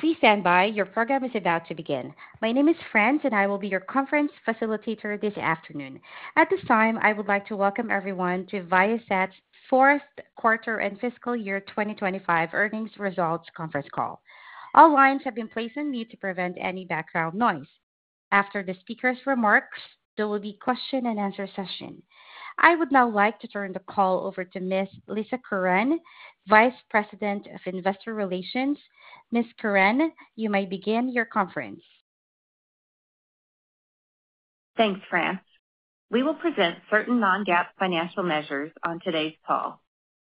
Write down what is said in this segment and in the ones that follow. Please stand by, your program is about to begin. My name is Franz, and I will be your conference facilitator this afternoon. At this time, I would like to welcome everyone to Viasat's Fourth Quarter and Fiscal Year 2025 Earnings Results Conference Call. All lines have been placed on mute to prevent any background noise. After the speaker's remarks, there will be a question-and-answer session. I would now like to turn the call over to Ms. Lisa Curran, Vice President of Investor Relations. Ms. Curran, you may begin your conference. Thanks, Franz. We will present certain non-GAAP financial measures on today's call.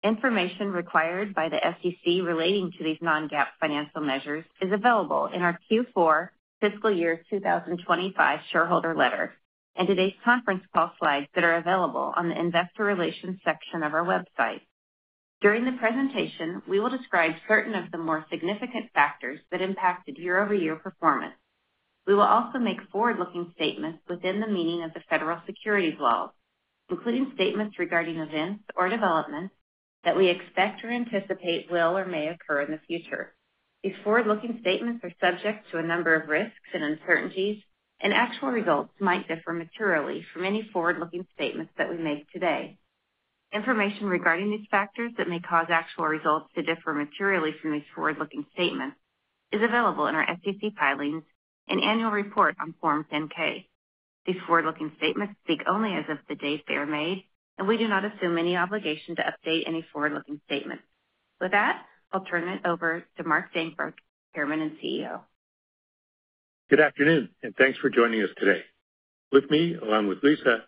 Information required by the SEC relating to these non-GAAP financial measures is available in our Q4 FY2025 shareholder letter and today's conference call slides that are available on the Investor Relations section of our website. During the presentation, we will describe certain of the more significant factors that impacted year-over-year performance. We will also make forward-looking statements within the meaning of the federal securities laws, including statements regarding events or developments that we expect or anticipate will or may occur in the future. These forward-looking statements are subject to a number of risks and uncertainties, and actual results might differ materially from any forward-looking statements that we make today. Information regarding these factors that may cause actual results to differ materially from these forward-looking statements is available in our SEC filings and annual report on Form 10-K. These forward-looking statements speak only as of the date they are made, and we do not assume any obligation to update any forward-looking statements. With that, I'll turn it over to Mark Dankberg, Chairman and CEO. Good afternoon, and thanks for joining us today. With me, along with Lisa,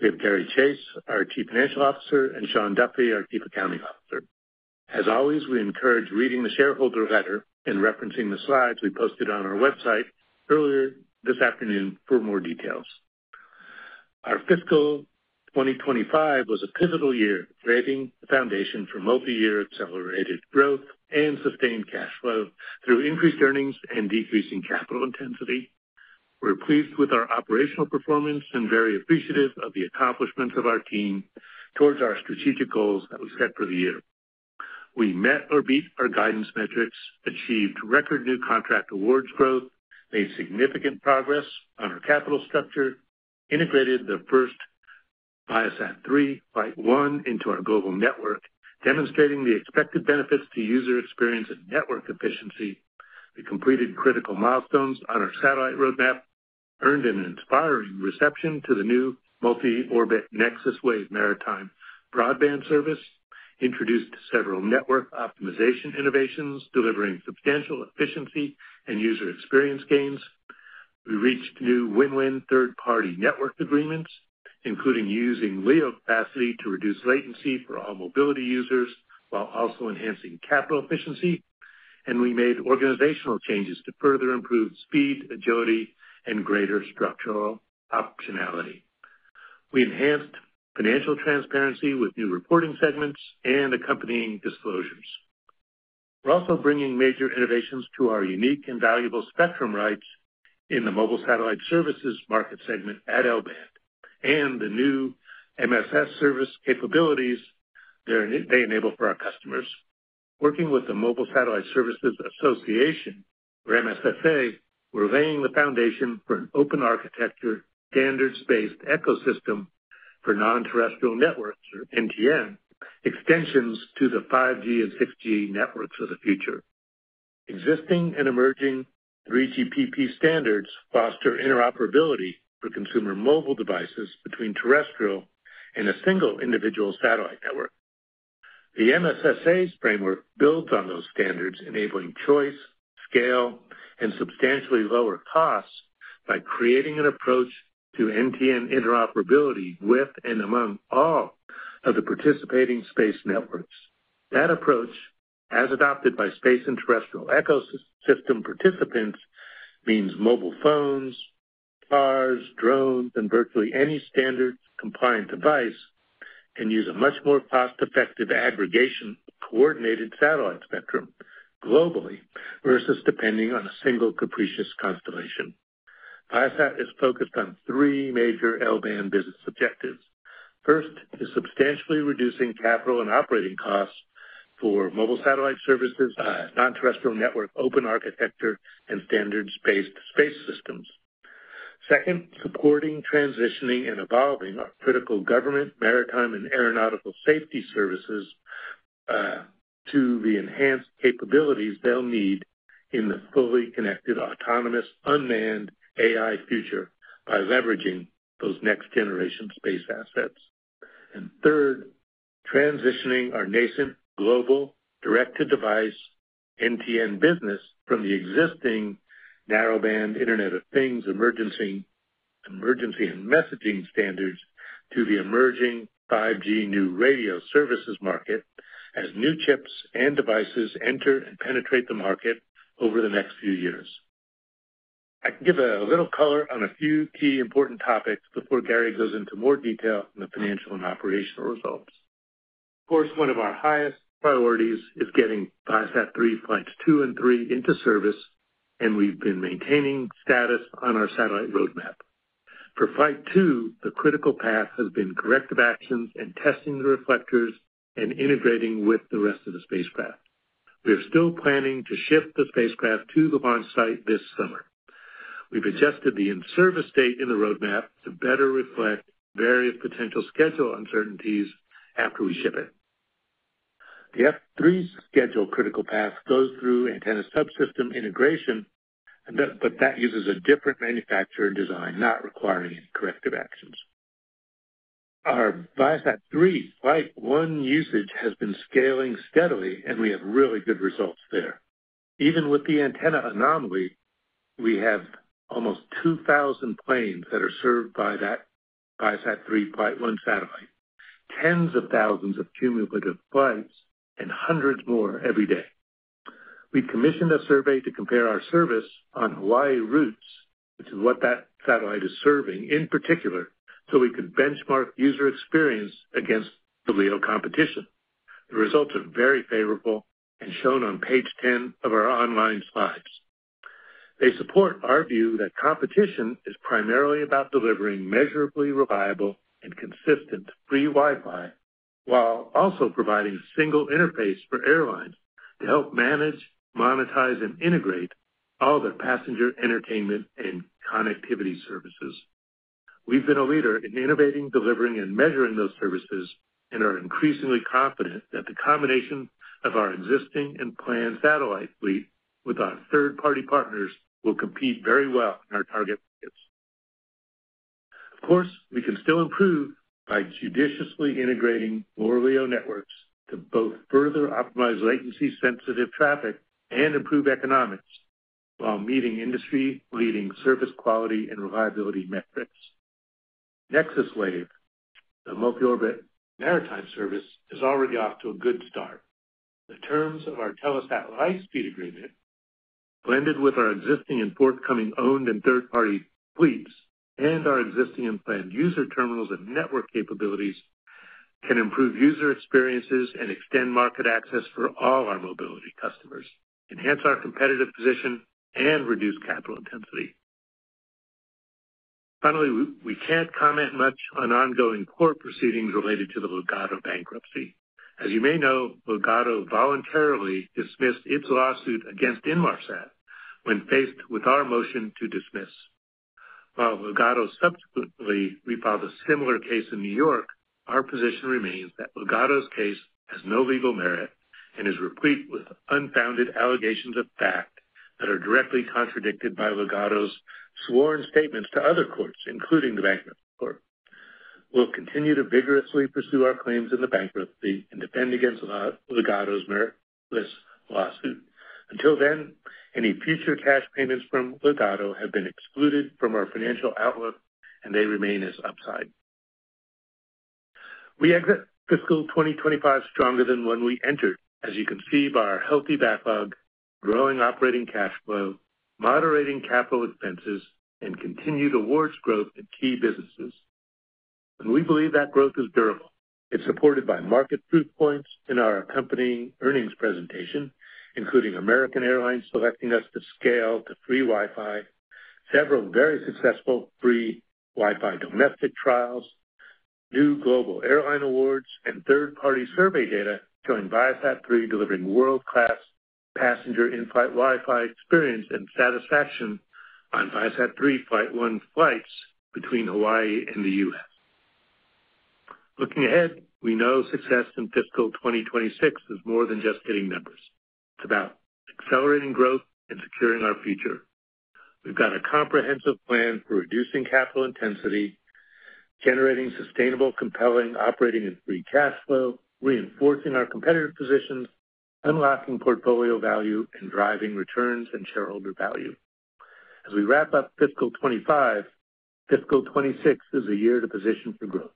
we have Gary Chase, our Chief Financial Officer, and Shawn Duffy, our Chief Accounting Officer. As always, we encourage reading the shareholder letter and referencing the slides we posted on our website earlier this afternoon for more details. Our fiscal 2025 was a pivotal year, creating the foundation for multi-year accelerated growth and sustained cash flow through increased earnings and decreasing capital intensity. We're pleased with our operational performance and very appreciative of the accomplishments of our team towards our strategic goals that we set for the year. We met or beat our guidance metrics, achieved record new contract awards growth, made significant progress on our capital structure, integrated the first Viasat-3.1 into our global network, demonstrating the expected benefits to user experience and network efficiency. We completed critical milestones on our satellite roadmap, earned an inspiring reception to the new multi-orbit NexusWave maritime broadband service, introduced several network optimization innovations, delivering substantial efficiency and user experience gains. We reached new win-win third-party network agreements, including using LEO capacity to reduce latency for all mobility users while also enhancing capital efficiency, and we made organizational changes to further improve speed, agility, and greater structural optionality. We enhanced financial transparency with new reporting segments and accompanying disclosures. We're also bringing major innovations to our unique and valuable spectrum rights in the mobile satellite services market segment at L-band and the new MSS service capabilities they enable for our customers. Working with the Mobile Satellite Services Association, or MSSA, we're laying the foundation for an open architecture, standards-based ecosystem for non-terrestrial networks, or NTN, extensions to the 5G and 6G networks of the future. Existing and emerging 3GPP standards foster interoperability for consumer mobile devices between terrestrial and a single individual satellite network. The MSSA's framework builds on those standards, enabling choice, scale, and substantially lower costs by creating an approach to NTN interoperability with and among all of the participating space networks. That approach, as adopted by space and terrestrial ecosystem participants, means mobile phones, cars, drones, and virtually any standard-compliant device can use a much more cost-effective aggregation of coordinated satellite spectrum globally versus depending on a single capricious constellation. Viasat is focused on three major L-band business objectives. First is substantially reducing capital and operating costs for mobile satellite services, non-terrestrial network, open architecture, and standards-based space systems. Second, supporting, transitioning, and evolving our critical government, maritime, and aeronautical safety services to enhance capabilities they'll need in the fully connected, autonomous, unmanned AI future by leveraging those next-generation space assets. Third, transitioning our nascent global direct-to-device NTN business from the existing narrowband Internet of Things emergency and messaging standards to the emerging 5G new radio services market as new chips and devices enter and penetrate the market over the next few years. I can give a little color on a few key important topics before Gary goes into more detail on the financial and operational results. Of course, one of our highest priorities is getting Viasat-3 flight two and three into service, and we've been maintaining status on our satellite roadmap. For flight two, the critical path has been corrective actions and testing the reflectors and integrating with the rest of the spacecraft. We are still planning to ship the spacecraft to the launch site this summer. We've adjusted the in-service date in the roadmap to better reflect various potential schedule uncertainties after we ship it. The F3 schedule critical path goes through antenna subsystem integration, but that uses a different manufacturer design, not requiring any corrective actions. Our Viasat-3.1 usage has been scaling steadily, and we have really good results there. Even with the antenna anomaly, we have almost 2,000 planes that are served by that Viasat-3.1 satellite, tens of thousands of cumulative flights, and hundreds more every day. We commissioned a survey to compare our service on Hawaii routes, which is what that satellite is serving in particular, so we could benchmark user experience against the LEO competition. The results are very favorable and shown on page 10 of our online slides. They support our view that competition is primarily about delivering measurably reliable and consistent free Wi-Fi while also providing a single interface for airlines to help manage, monetize, and integrate all their passenger entertainment and connectivity services. We've been a leader in innovating, delivering, and measuring those services and are increasingly confident that the combination of our existing and planned satellite fleet with our third-party partners will compete very well in our target markets. Of course, we can still improve by judiciously integrating more LEO networks to both further optimize latency-sensitive traffic and improve economics while meeting industry-leading service quality and reliability metrics. NexusWave, the multi-orbit maritime service, is already off to a good start. The terms of our Telesat high-speed agreement, blended with our existing and forthcoming owned and third-party fleets, and our existing and planned user terminals and network capabilities, can improve user experiences and extend market access for all our mobility customers, enhance our competitive position, and reduce capital intensity. Finally, we can't comment much on ongoing court proceedings related to the Ligado bankruptcy. As you may know, Ligado voluntarily dismissed its lawsuit against Inmarsat when faced with our motion to dismiss. While Ligado subsequently filed a similar case in New York, our position remains that Ligado's case has no legal merit and is replete with unfounded allegations of fact that are directly contradicted by Ligado's sworn statements to other courts, including the bankruptcy court. We'll continue to vigorously pursue our claims in the bankruptcy and defend against Ligado's meritless lawsuit. Until then, any future cash payments from Ligado have been excluded from our financial outlook, and they remain as upside. We exit fiscal 2025 stronger than when we entered, as you can see by our healthy backlog, growing operating cash flow, moderating capital expenses, and continued awards growth in key businesses. We believe that growth is durable. It's supported by market proof points in our accompanying earnings presentation, including American Airlines selecting us to scale to free Wi-Fi, several very successful free Wi-Fi domestic trials, new global airline awards, and third-party survey data showing Viasat-3 delivering world-class passenger in-flight Wi-Fi experience and satisfaction on Viasat-3.1 flights between Hawaii and the U.S. Looking ahead, we know success in fiscal 2026 is more than just hitting numbers. It's about accelerating growth and securing our future. We've got a comprehensive plan for reducing capital intensity, generating sustainable, compelling operating and free cash flow, reinforcing our competitive positions, unlocking portfolio value, and driving returns and shareholder value. As we wrap up fiscal 2025, fiscal 2026 is a year to position for growth.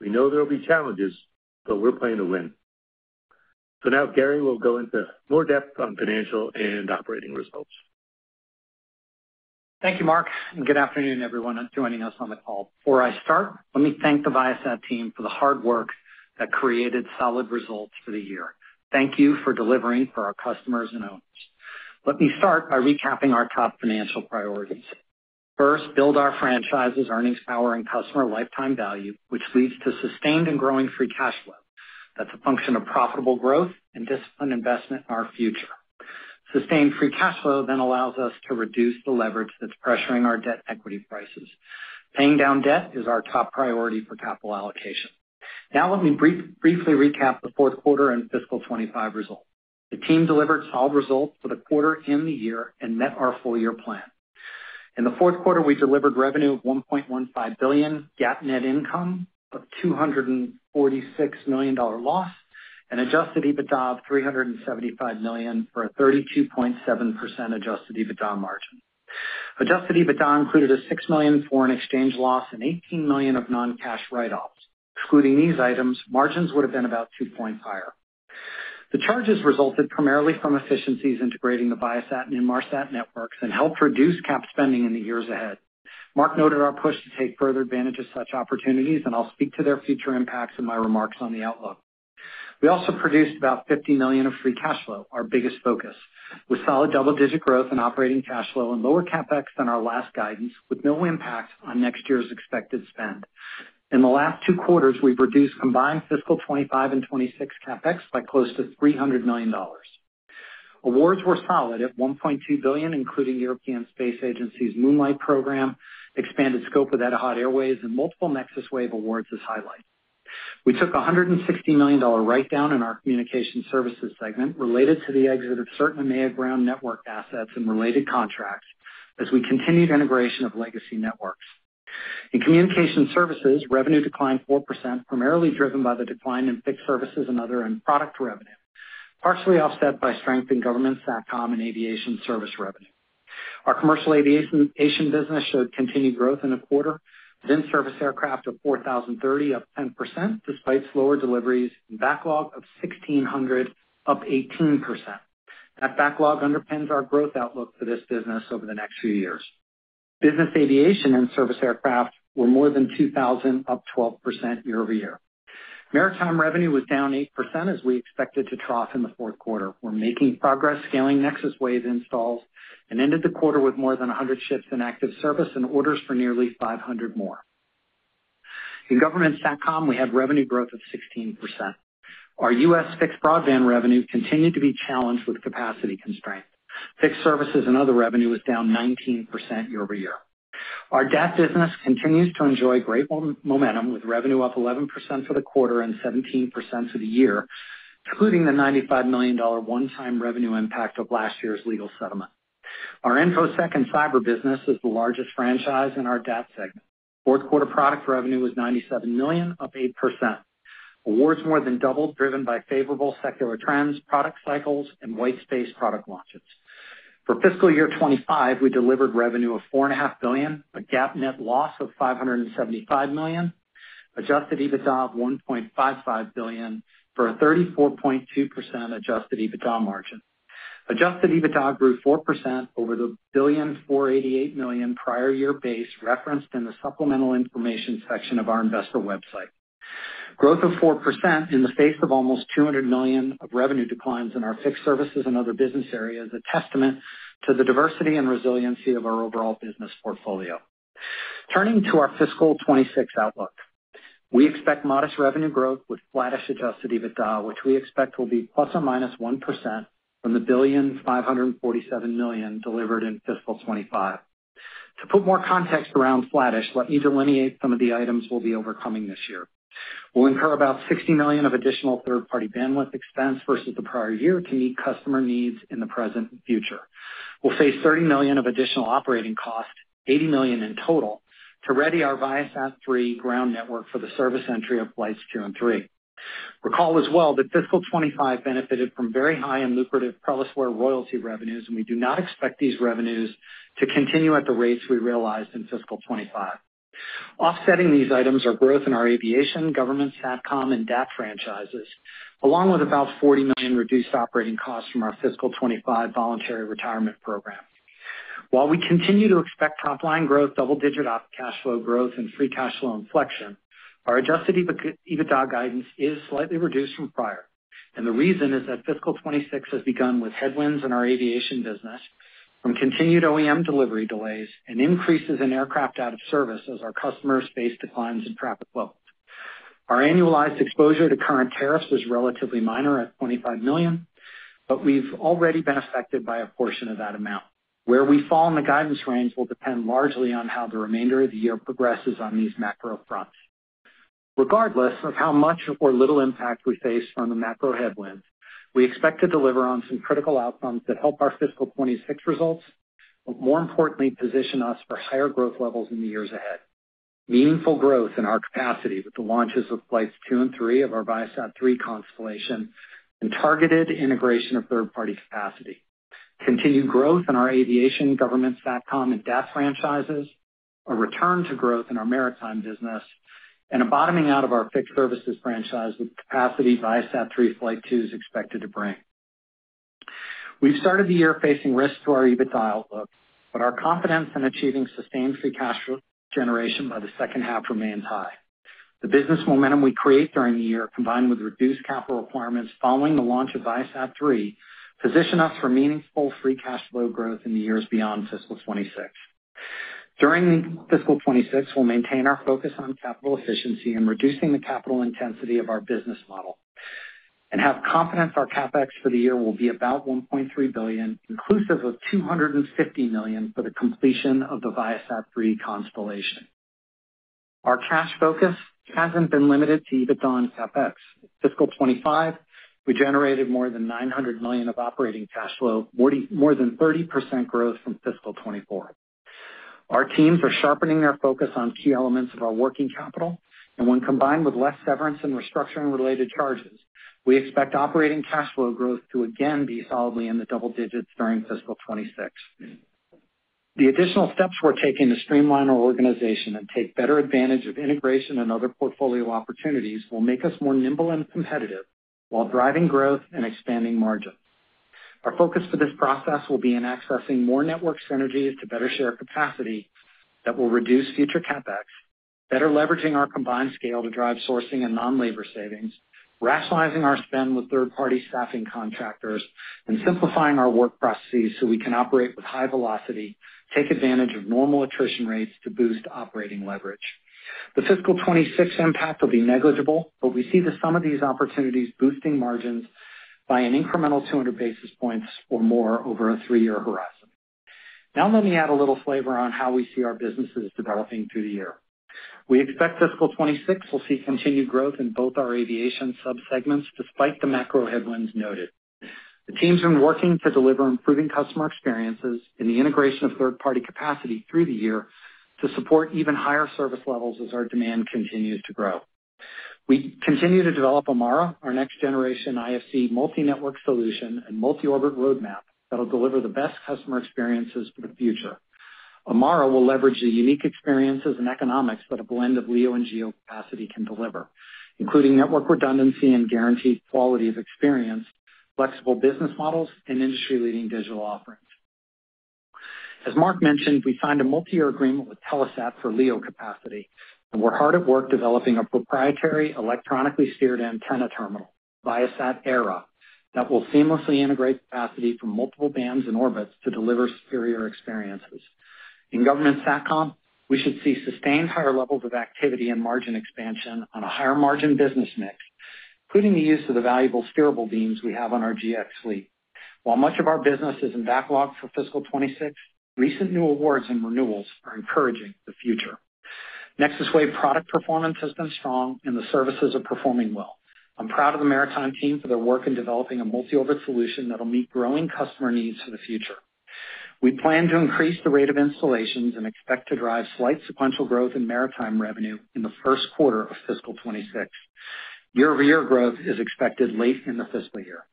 We know there will be challenges, but we're playing to win. Now, Gary will go into more depth on financial and operating results. Thank you, Mark, and good afternoon, everyone joining us on the call. Before I start, let me thank the Viasat team for the hard work that created solid results for the year. Thank you for delivering for our customers and owners. Let me start by recapping our top financial priorities. First, build our franchise's earnings power and customer lifetime value, which leads to sustained and growing free cash flow. That's a function of profitable growth and disciplined investment in our future. Sustained free cash flow then allows us to reduce the leverage that's pressuring our debt equity prices. Paying down debt is our top priority for capital allocation. Now, let me briefly recap the fourth quarter and fiscal 2025 results. The team delivered solid results for the quarter and the year and met our full-year plan. In the fourth quarter, we delivered revenue of $1.15 billion, GAAP net income of $246 million loss, and adjusted EBITDA of $375 million for a 32.7% adjusted EBITDA margin. Adjusted EBITDA included a $6 million foreign exchange loss and $18 million of non-cash write-offs. Excluding these items, margins would have been about two points higher. The charges resulted primarily from efficiencies integrating the Viasat and Inmarsat networks and helped reduce CapEx spending in the years ahead. Mark noted our push to take further advantage of such opportunities, and I'll speak to their future impacts in my remarks on the outlook. We also produced about $50 million of free cash flow, our biggest focus, with solid double-digit growth in operating cash flow and lower CapEx than our last guidance, with no impact on next year's expected spend. In the last two quarters, we've reduced combined fiscal 2025 and 2026 CapEx by close to $300 million. Awards were solid at $1.2 billion, including European Space Agency's Moonlight program, expanded scope with Etihad Airways, and multiple NexusWave awards as highlights. We took a $160 million write-down in our communication services segment related to the exit of certain EMEA ground network assets and related contracts as we continued integration of legacy networks. In communication services, revenue declined 4%, primarily driven by the decline in fixed services and other end product revenue, partially offset by strength in government SATCOM and aviation service revenue. Our commercial aviation business showed continued growth in the quarter, then service aircraft of 4,030, up 10%, despite slower deliveries and backlog of 1,600, up 18%. That backlog underpins our growth outlook for this business over the next few years. Business aviation and service aircraft were more than 2,000 up 12% year over year. Maritime revenue was down 8% as we expected to trough in the fourth quarter. We are making progress, scaling NexusWave installs, and ended the quarter with more than 100 ships in active service and orders for nearly 500 more. In government SATCOM, we had revenue growth of 16%. Our U.S. fixed broadband revenue continued to be challenged with capacity constraints. Fixed services and other revenue was down 19% year over year. Our DAT business continues to enjoy great momentum with revenue up 11% for the quarter and 17% for the year, excluding the $95 million one-time revenue impact of last year's legal settlement. Our InfoSec and Cyber business is the largest franchise in our DAT segment. Fourth quarter product revenue was $97 million, up 8%. Awards more than doubled, driven by favorable secular trends, product cycles, and white space product launches. For fiscal year 2025, we delivered revenue of $4.5 billion, a GAAP net loss of $575 million, adjusted EBITDA of $1.55 billion for a 34.2% adjusted EBITDA margin. Adjusted EBITDA grew 4% over the $1,488 million prior year base referenced in the supplemental information section of our investor website. Growth of 4% in the face of almost $200 million of revenue declines in our fixed services and other business areas is a testament to the diversity and resiliency of our overall business portfolio. Turning to our fiscal 2026 outlook, we expect modest revenue growth with flattish adjusted EBITDA, which we expect will be plus or minus 1% from the $1,547 million delivered in fiscal 2025. To put more context around flattish, let me delineate some of the items we will be overcoming this year. We'll incur about $60 million of additional third-party bandwidth expense versus the prior year to meet customer needs in the present and future. We'll face $30 million of additional operating cost, $80 million in total, to ready our Viasat-3 ground network for the service entry of flights two and three. Recall as well that fiscal 2025 benefited from very high and lucrative Prelysware royalty revenues, and we do not expect these revenues to continue at the rates we realized in fiscal 2025. Offsetting these items are growth in our aviation, government SATCOM, and DAT franchises, along with about $40 million reduced operating costs from our fiscal 2025 voluntary retirement program. While we continue to expect top-line growth, double-digit cash flow growth, and free cash flow inflection, our adjusted EBITDA guidance is slightly reduced from prior. The reason is that fiscal 2026 has begun with headwinds in our aviation business from continued OEM delivery delays and increases in aircraft out of service as our customer base declines in traffic levels. Our annualized exposure to current tariffs is relatively minor at $25 million, but we've already been affected by a portion of that amount. Where we fall in the guidance range will depend largely on how the remainder of the year progresses on these macro fronts. Regardless of how much or little impact we face from the macro headwinds, we expect to deliver on some critical outcomes that help our fiscal 2026 results, but more importantly, position us for higher growth levels in the years ahead. Meaningful growth in our capacity with the launches of flights two and three of our Viasat-3 constellation and targeted integration of third-party capacity. Continued growth in our aviation, government SATCOM, and DAT franchises, a return to growth in our maritime business, and a bottoming out of our fixed services franchise with capacity Viasat-3 flight twos expected to bring. We've started the year facing risks to our EBITDA outlook, but our confidence in achieving sustained free cash flow generation by the second half remains high. The business momentum we create during the year, combined with reduced capital requirements following the launch of Viasat-3, position us for meaningful free cash flow growth in the years beyond fiscal 2026. During fiscal 2026, we'll maintain our focus on capital efficiency and reducing the capital intensity of our business model, and have confidence our CapEx for the year will be about $1.3 billion, inclusive of $250 million for the completion of the Viasat-3 constellation. Our cash focus hasn't been limited to EBITDA and CapEx. Fiscal 2025, we generated more than $900 million of operating cash flow, more than 30% growth from fiscal 2024. Our teams are sharpening their focus on key elements of our working capital, and when combined with less severance and restructuring-related charges, we expect operating cash flow growth to again be solidly in the double digits during fiscal 2026. The additional steps we're taking to streamline our organization and take better advantage of integration and other portfolio opportunities will make us more nimble and competitive while driving growth and expanding margins. Our focus for this process will be in accessing more network synergies to better share capacity that will reduce future CapEx, better leveraging our combined scale to drive sourcing and non-labor savings, rationalizing our spend with third-party staffing contractors, and simplifying our work processes so we can operate with high velocity, take advantage of normal attrition rates to boost operating leverage. The fiscal 2026 impact will be negligible, but we see the sum of these opportunities boosting margins by an incremental 200 basis points or more over a three-year horizon. Now, let me add a little flavor on how we see our businesses developing through the year. We expect fiscal 2026 will see continued growth in both our aviation subsegments despite the macro headwinds noted. The team's been working to deliver improving customer experiences and the integration of third-party capacity through the year to support even higher service levels as our demand continues to grow. We continue to develop Amara, our next-generation IFC multi-network solution and multi-orbit roadmap that'll deliver the best customer experiences for the future. Amara will leverage the unique experiences and economics that a blend of LEO and GEO capacity can deliver, including network redundancy and guaranteed quality of experience, flexible business models, and industry-leading digital offerings. As Mark mentioned, we signed a multi-year agreement with Telesat for LEO capacity, and we're hard at work developing a proprietary electronically steered antenna terminal, Viasat Era, that will seamlessly integrate capacity from multiple bands and orbits to deliver superior experiences. In government SATCOM, we should see sustained higher levels of activity and margin expansion on a higher margin business mix, including the use of the valuable steerable beams we have on our GX fleet. While much of our business is in backlog for fiscal 2026, recent new awards and renewals are encouraging the future. NexusWave product performance has been strong, and the services are performing well. I'm proud of the maritime team for their work in developing a multi-orbit solution that'll meet growing customer needs for the future. We plan to increase the rate of installations and expect to drive slight sequential growth in maritime revenue in the first quarter of fiscal 2026. Year-over-year growth is expected late in the fiscal year.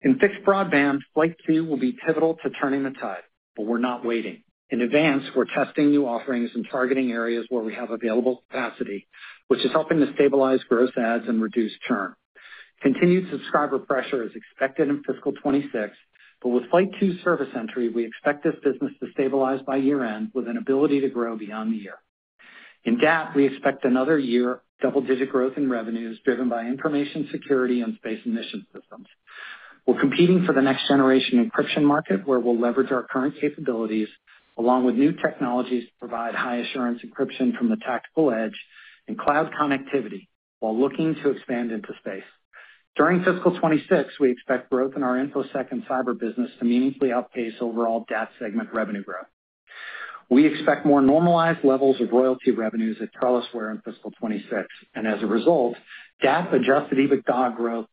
In fixed broadband, flight two will be pivotal to turning the tide, but we're not waiting. In advance, we're testing new offerings and targeting areas where we have available capacity, which is helping to stabilize gross ads and reduce churn. Continued subscriber pressure is expected in fiscal 2026, but with flight two service entry, we expect this business to stabilize by year-end with an ability to grow beyond the year. In DAT, we expect another year of double-digit growth in revenues driven by information security and space emission systems. We're competing for the next-generation encryption market where we'll leverage our current capabilities along with new technologies to provide high-assurance encryption from the tactical edge and cloud connectivity while looking to expand into space. During fiscal 2026, we expect growth in our InfoSec and Cyber business to meaningfully outpace overall DAT segment revenue growth. We expect more normalized levels of royalty revenues at TrellisWare in fiscal 2026, and as a result, DAT adjusted EBITDA growth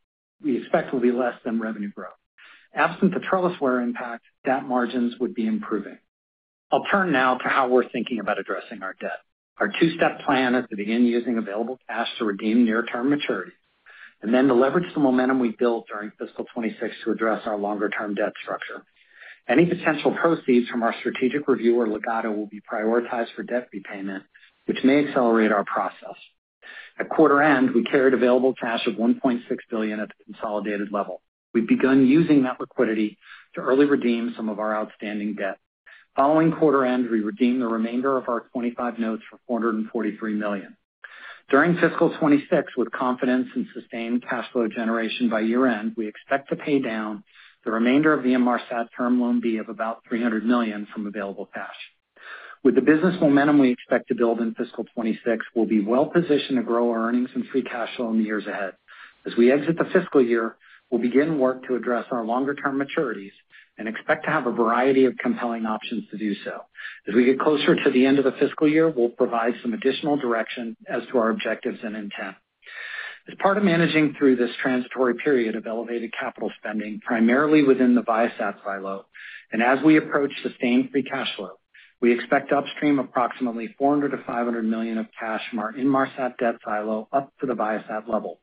we expect will be less than revenue growth. Absent the TrellisWare impact, DAT margins would be improving. I'll turn now to how we're thinking about addressing our debt. Our two-step plan is to begin using available cash to redeem near-term maturities, and then to leverage the momentum we built during fiscal 2026 to address our longer-term debt structure. Any potential proceeds from our strategic review or Ligado will be prioritized for debt repayment, which may accelerate our process. At quarter end, we carried available cash of $1.6 billion at the consolidated level. We've begun using that liquidity to early redeem some of our outstanding debt. Following quarter end, we redeemed the remainder of our 2025 notes for $443 million. During fiscal 2026, with confidence in sustained cash flow generation by year-end, we expect to pay down the remainder of the Inmarsat term loan B of about $300 million from available cash. With the business momentum we expect to build in fiscal 2026, we'll be well-positioned to grow our earnings and free cash flow in the years ahead. As we exit the fiscal year, we'll begin work to address our longer-term maturities and expect to have a variety of compelling options to do so. As we get closer to the end of the fiscal year, we'll provide some additional direction as to our objectives and intent. As part of managing through this transitory period of elevated capital spending, primarily within the Viasat silo, and as we approach sustained free cash flow, we expect upstream approximately $400-$500 million of cash from our Inmarsat debt silo up to the Viasat level.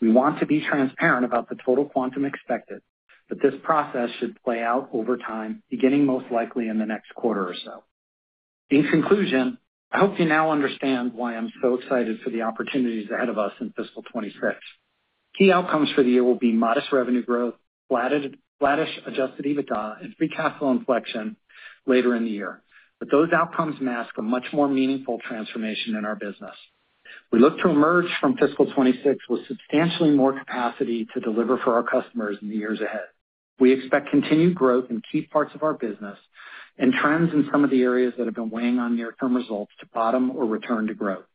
We want to be transparent about the total quantum expected, but this process should play out over time, beginning most likely in the next quarter or so. In conclusion, I hope you now understand why I'm so excited for the opportunities ahead of us in fiscal 2026. Key outcomes for the year will be modest revenue growth, flattish adjusted EBITDA, and free cash flow inflection later in the year, but those outcomes mask a much more meaningful transformation in our business. We look to emerge from fiscal 2026 with substantially more capacity to deliver for our customers in the years ahead. We expect continued growth in key parts of our business and trends in some of the areas that have been weighing on near-term results to bottom or return to growth.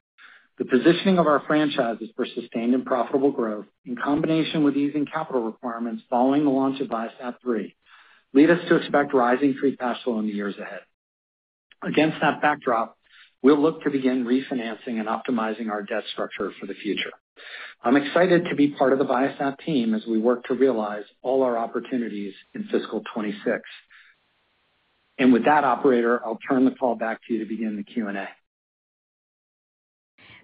The positioning of our franchises for sustained and profitable growth, in combination with easing capital requirements following the launch of Viasat-3, lead us to expect rising free cash flow in the years ahead. Against that backdrop, we will look to begin refinancing and optimizing our debt structure for the future. I'm excited to be part of the Viasat team as we work to realize all our opportunities in fiscal 2026. With that, Operator, I'll turn the call back to you to begin the Q&A.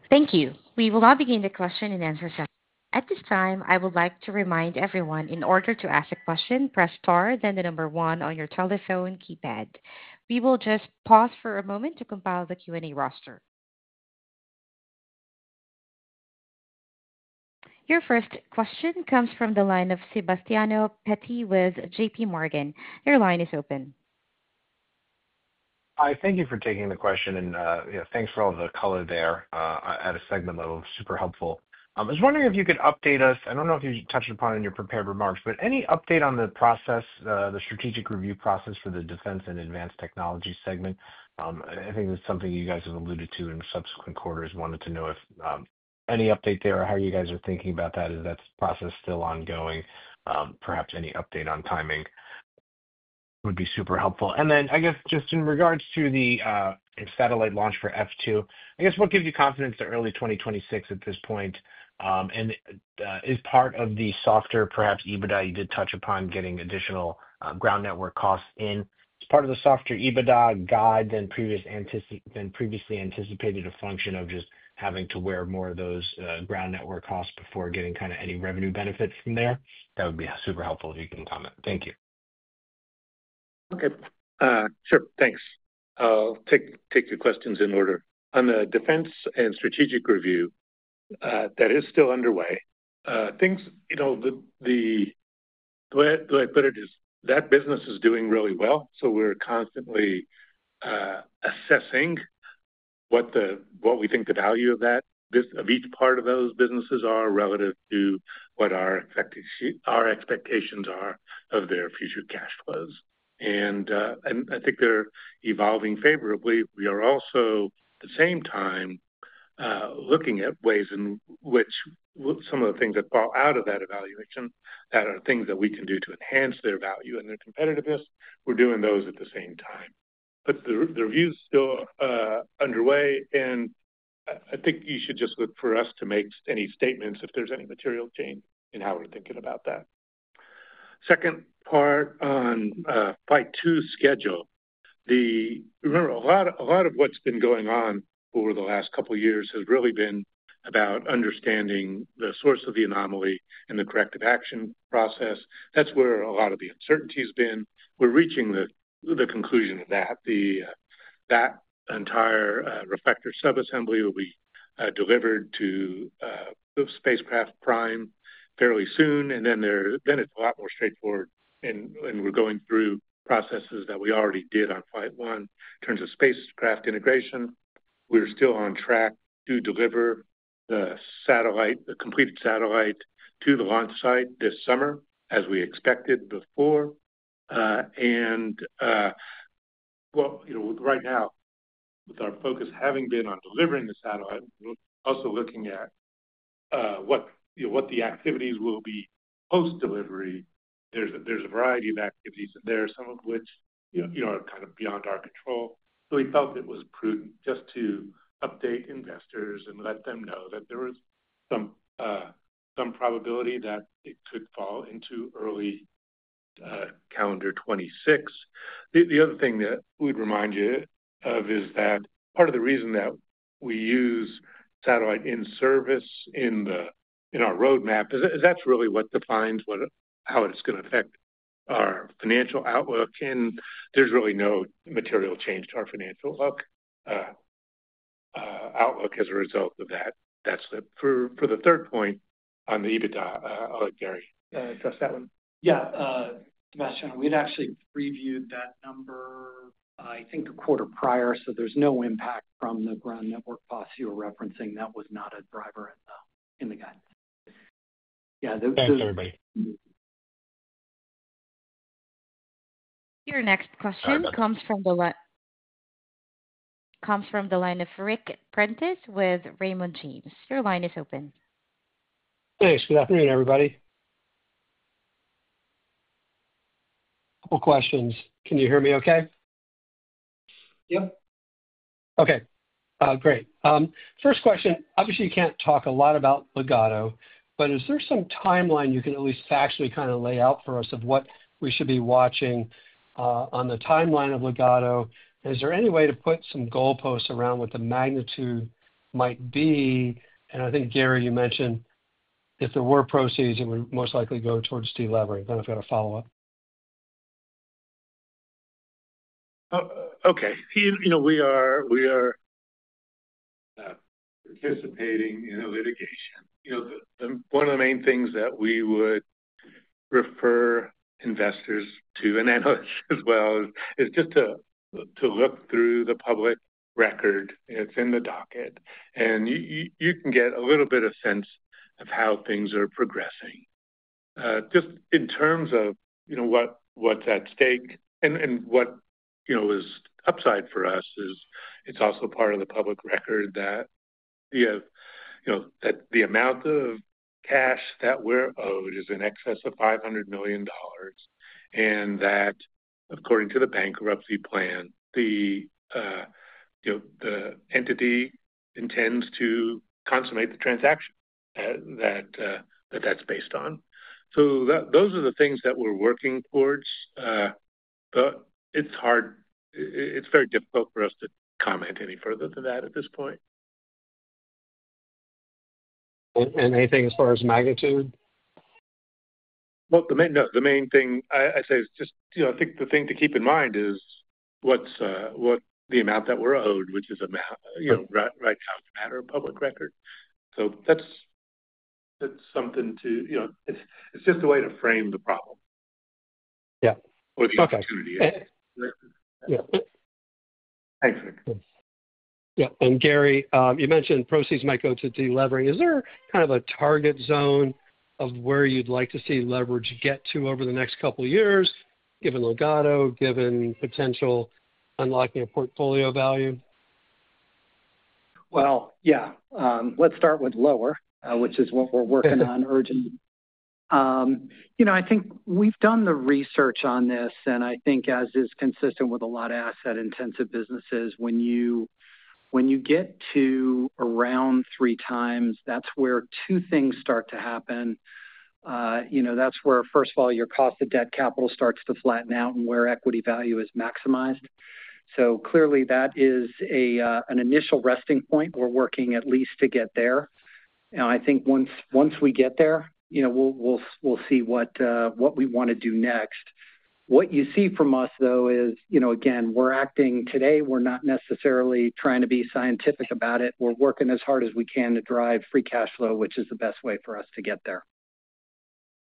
Thank you. We will now begin the question and answer session. At this time, I would like to remind everyone in order to ask a question, press star, then the number one on your telephone keypad. We will just pause for a moment to compile the Q&A roster. Your first question comes from the line of Sebastiano Petti with JPMorgan. Your line is open. Hi, thank you for taking the question, and thanks for all the color there at a segment level. Super helpful. I was wondering if you could update us. I don't know if you touched upon it in your prepared remarks, but any update on the process, the strategic review process for the defense and advanced technology segment? I think that's something you guys have alluded to in subsequent quarters. Wanted to know if any update there or how you guys are thinking about that, if that process is still ongoing. Perhaps any update on timing would be super helpful. I guess just in regards to the satellite launch for F2, what gives you confidence that early 2026 at this point? Is part of the softer, perhaps, EBITDA you did touch upon getting additional ground network costs in? Is part of the softer EBITDA guide than previously anticipated a function of just having to wear more of those ground network costs before getting kind of any revenue benefits from there? That would be super helpful if you can comment. Thank you. Okay. Sure. Thanks. I'll take your questions in order. On the defense and strategic review that is still underway, things the way I put it is that business is doing really well, so we're constantly assessing what we think the value of that, of each part of those businesses are relative to what our expectations are of their future cash flows. I think they're evolving favorably. We are also, at the same time, looking at ways in which some of the things that fall out of that evaluation that are things that we can do to enhance their value and their competitiveness, we're doing those at the same time. The review's still underway, and I think you should just look for us to make any statements if there's any material change in how we're thinking about that. Second part on flight two schedule. Remember, a lot of what's been going on over the last couple of years has really been about understanding the source of the anomaly and the corrective action process. That's where a lot of the uncertainty has been. We're reaching the conclusion of that. That entire reflector subassembly will be delivered to spacecraft prime fairly soon, and then it's a lot more straightforward, and we're going through processes that we already did on flight one in terms of spacecraft integration. We're still on track to deliver the completed satellite to the launch site this summer, as we expected before. Right now, with our focus having been on delivering the satellite, we're also looking at what the activities will be post-delivery. There's a variety of activities in there, some of which are kind of beyond our control. We felt it was prudent just to update investors and let them know that there was some probability that it could fall into early calendar 2026. The other thing that we'd remind you of is that part of the reason that we use satellite in service in our roadmap is that's really what defines how it's going to affect our financial outlook, and there's really no material change to our financial outlook as a result of that slip. For the third point on the EBITDA, I'll let Gary address that one. Yeah. Sebastiano, we'd actually previewed that number, I think, a quarter prior, so there's no impact from the ground network costs you were referencing. That was not a driver in the guidance. Yeah. Thanks, everybody. Your next question comes from the line of Ric Prentiss with Raymond James. Your line is open. Hey. Good afternoon, everybody. A couple of questions. Can you hear me okay? Yep. Okay. Great. First question, obviously, you can't talk a lot about Ligado, but is there some timeline you can at least factually kind of lay out for us of what we should be watching on the timeline of Ligado? Is there any way to put some goalposts around what the magnitude might be? I think, Gary, you mentioned if there were proceeds, it would most likely go towards de-levering. I don't know if you got a follow-up. Okay. We are participating in a litigation. One of the main things that we would refer investors to, and analysts as well, is just to look through the public record. It's in the docket, and you can get a little bit of sense of how things are progressing. Just in terms of what's at stake and what is upside for us, it's also part of the public record that the amount of cash that we're owed is in excess of $500 million, and that, according to the bankruptcy plan, the entity intends to consummate the transaction that that's based on. Those are the things that we're working towards, but it's very difficult for us to comment any further than that at this point. Anything as far as magnitude? I think the thing to keep in mind is what's the amount that we're owed, which is right now a matter of public record. That's something to, it's just a way to frame the problem or the opportunity. Yeah. Thanks, Ric. Yeah. And Gary, you mentioned proceeds might go to de-levering. Is there kind of a target zone of where you'd like to see leverage get to over the next couple of years, given Ligado, given potential unlocking of portfolio value? Let's start with lower, which is what we're working on urgently. I think we've done the research on this, and I think, as is consistent with a lot of asset-intensive businesses, when you get to around three times, that's where two things start to happen. That's where, first of all, your cost of debt capital starts to flatten out and where equity value is maximized. Clearly, that is an initial resting point. We're working at least to get there. I think once we get there, we'll see what we want to do next. What you see from us, though, is, again, we're acting today. We're not necessarily trying to be scientific about it. We're working as hard as we can to drive free cash flow, which is the best way for us to get there.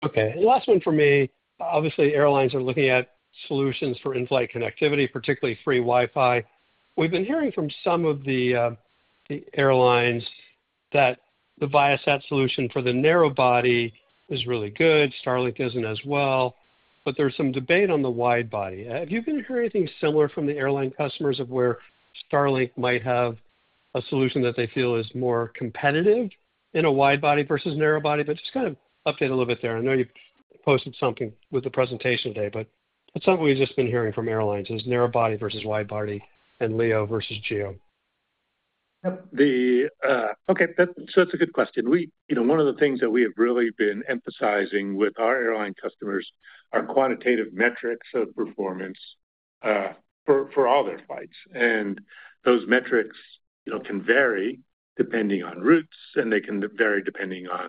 Okay. Last one for me. Obviously, airlines are looking at solutions for in-flight connectivity, particularly free Wi-Fi. We've been hearing from some of the airlines that the Viasat solution for the narrow body is really good. Starlink is as well, but there's some debate on the wide body. Have you been hearing anything similar from the airline customers of where Starlink might have a solution that they feel is more competitive in a wide body versus narrow body? Just kind of update a little bit there. I know you posted something with the presentation today. That's something we've just been hearing from airlines is narrow body versus wide body and LEO versus GEO. Yep. Okay. That is a good question. One of the things that we have really been emphasizing with our airline customers are quantitative metrics of performance for all their flights. Those metrics can vary depending on routes, and they can vary depending on,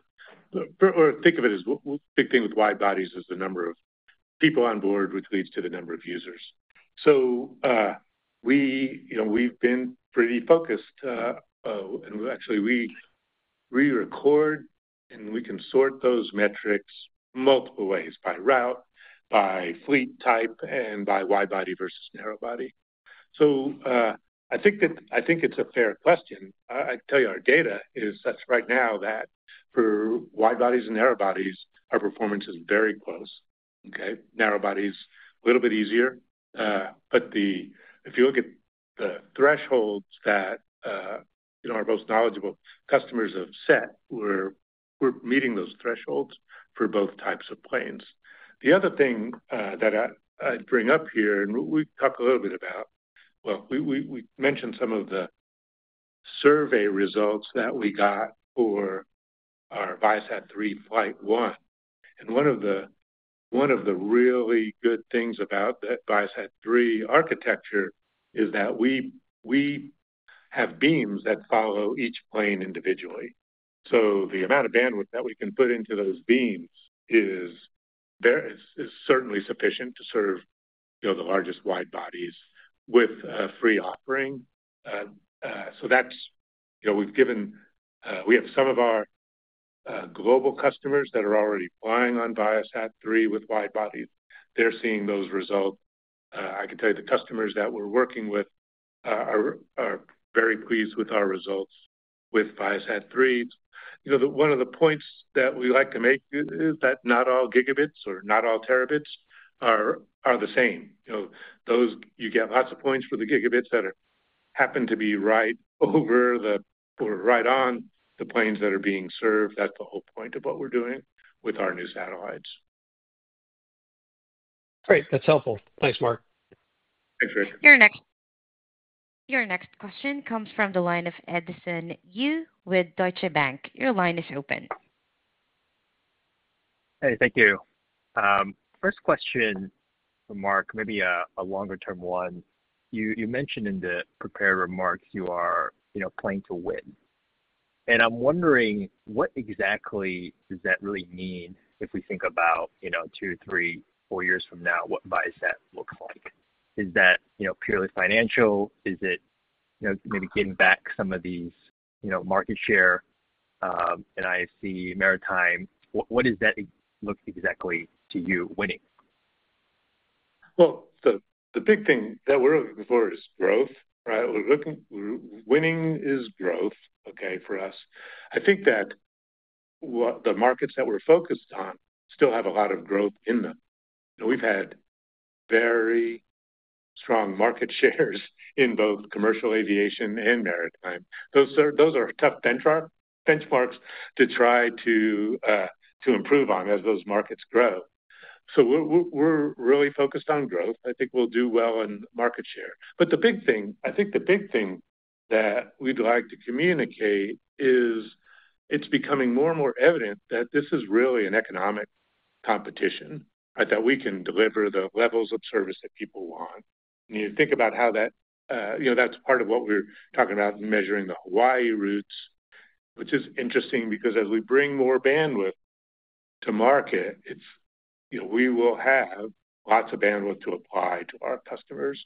or think of it as a big thing with wide bodies, is the number of people on board, which leads to the number of users. We have been pretty focused, and actually, we record and we can sort those metrics multiple ways: by route, by fleet type, and by wide body versus narrow body. I think it is a fair question. I tell you, our data is such right now that for wide bodies and narrow bodies, our performance is very close. Narrow bodies, a little bit easier. If you look at the thresholds that our most knowledgeable customers have set, we're meeting those thresholds for both types of planes. The other thing that I'd bring up here, we mentioned some of the survey results that we got for our Viasat-3 flight one. One of the really good things about the Viasat-3 architecture is that we have beams that follow each plane individually. The amount of bandwidth that we can put into those beams is certainly sufficient to serve the largest wide bodies with a free offering. We have some of our global customers that are already flying on Viasat-3 with wide bodies. They're seeing those results. I can tell you the customers that we're working with are very pleased with our results with Viasat-3. One of the points that we like to make is that not all gigabits or not all terabits are the same. You get lots of points for the gigabits that happen to be right over the or right on the planes that are being served. That's the whole point of what we're doing with our new satellites. Great. That's helpful. Thanks, Mark. Thanks, Ric. Your next question comes from the line of Edison Yu with Deutsche Bank. Your line is open. Hey. Thank you. First question for Mark, maybe a longer-term one. You mentioned in the prepared remarks you are playing to win. I'm wondering what exactly does that really mean if we think about two, three, four years from now, what Viasat looks like? Is that purely financial? Is it maybe getting back some of this market share in IFC, maritime? What does that look exactly to you winning? The big thing that we're looking for is growth, right? Winning is growth, okay, for us. I think that the markets that we're focused on still have a lot of growth in them. We've had very strong market shares in both commercial aviation and maritime. Those are tough benchmarks to try to improve on as those markets grow. We are really focused on growth. I think we'll do well in market share. The big thing, I think the big thing that we'd like to communicate is it's becoming more and more evident that this is really an economic competition, that we can deliver the levels of service that people want. You think about how that's part of what we're talking about in measuring the Hawaii routes, which is interesting because as we bring more bandwidth to market, we will have lots of bandwidth to apply to our customers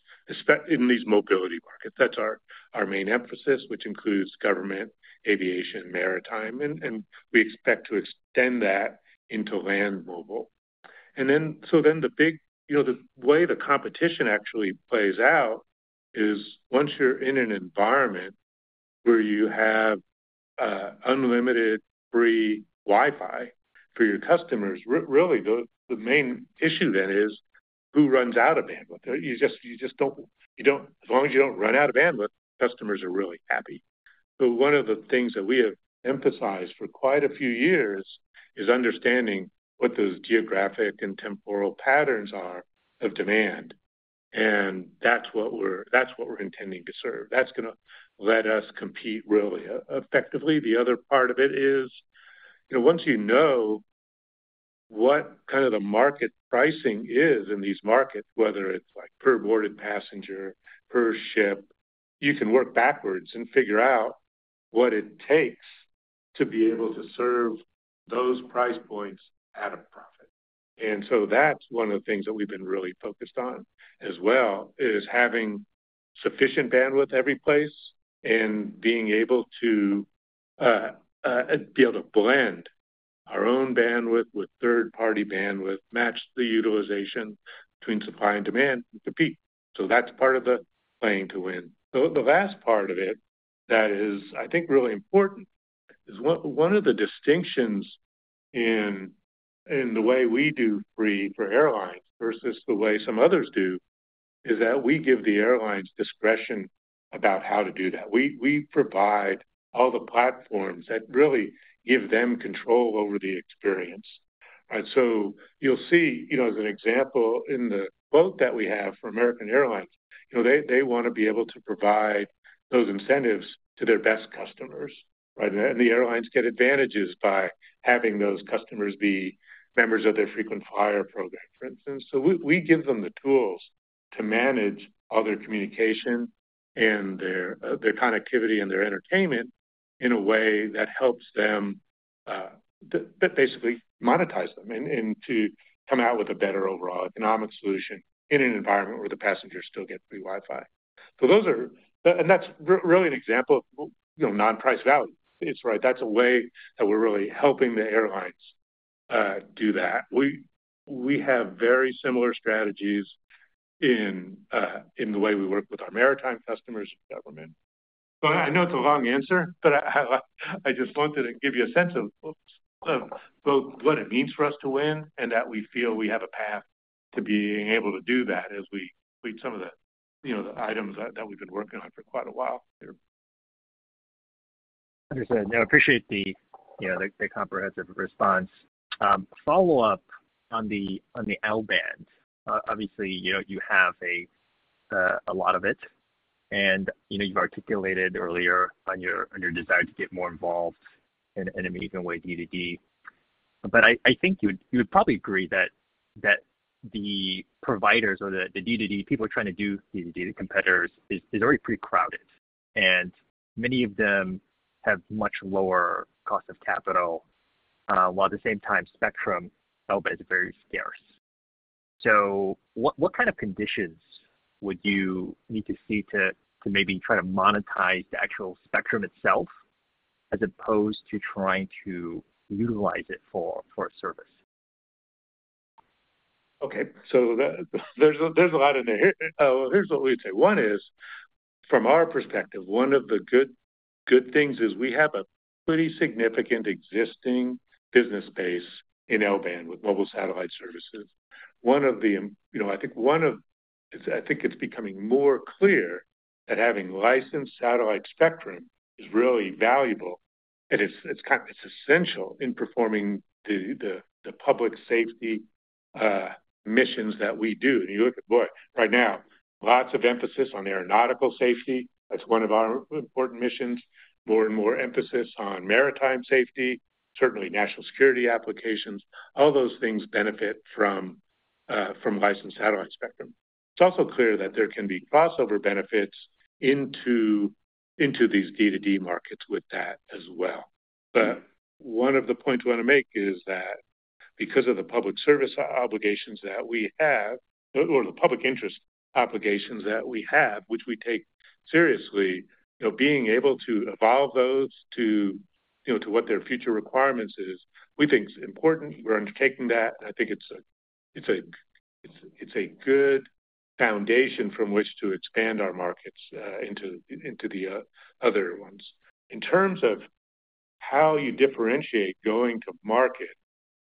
in these mobility markets. That's our main emphasis, which includes government, aviation, maritime, and we expect to extend that into land mobile. The big way the competition actually plays out is once you're in an environment where you have unlimited free Wi-Fi for your customers, really the main issue then is who runs out of bandwidth. You just don't, as long as you don't run out of bandwidth, customers are really happy. One of the things that we have emphasized for quite a few years is understanding what those geographic and temporal patterns are of demand. That's what we're intending to serve. That's going to let us compete really effectively. The other part of it is once you know what kind of the market pricing is in these markets, whether it's per boarded passenger, per ship, you can work backwards and figure out what it takes to be able to serve those price points at a profit. That's one of the things that we've been really focused on as well is having sufficient bandwidth every place and being able to blend our own bandwidth with third-party bandwidth, match the utilization between supply and demand, and compete. That's part of the playing to win. The last part of it that is, I think, really important is one of the distinctions in the way we do free for airlines versus the way some others do is that we give the airlines discretion about how to do that. We provide all the platforms that really give them control over the experience. You will see, as an example, in the quote that we have for American Airlines, they want to be able to provide those incentives to their best customers, right? The airlines get advantages by having those customers be members of their frequent flyer program, for instance. We give them the tools to manage all their communication and their connectivity and their entertainment in a way that helps them basically monetize them and to come out with a better overall economic solution in an environment where the passengers still get free Wi-Fi. That is really an example of non-price value. It is right. That is a way that we are really helping the airlines do that. We have very similar strategies in the way we work with our maritime customers and government. I know it's a long answer, but I just wanted to give you a sense of both what it means for us to win and that we feel we have a path to being able to do that as we complete some of the items that we've been working on for quite a while here. Understood. No, I appreciate the comprehensive response. Follow-up on the L-band. Obviously, you have a lot of it, and you've articulated earlier on your desire to get more involved in an amazing way DDD. I think you would probably agree that the providers or the DDD, people trying to do DDD, the competitors, is already pretty crowded. Many of them have much lower cost of capital, while at the same time, spectrum L-band is very scarce. What kind of conditions would you need to see to maybe try to monetize the actual spectrum itself as opposed to trying to utilize it for a service? Okay. So there's a lot in there. Here's what we would say. One is, from our perspective, one of the good things is we have a pretty significant existing business base in L-band with mobile satellite services. I think it's becoming more clear that having licensed satellite spectrum is really valuable, and it's essential in performing the public safety missions that we do. You look at right now, lots of emphasis on aeronautical safety. That's one of our important missions. More and more emphasis on maritime safety, certainly national security applications. All those things benefit from licensed satellite spectrum. It's also clear that there can be crossover benefits into these DDD markets with that as well. One of the points I want to make is that because of the public service obligations that we have or the public interest obligations that we have, which we take seriously, being able to evolve those to what their future requirements is, we think is important. We're undertaking that. I think it's a good foundation from which to expand our markets into the other ones. In terms of how you differentiate going to market,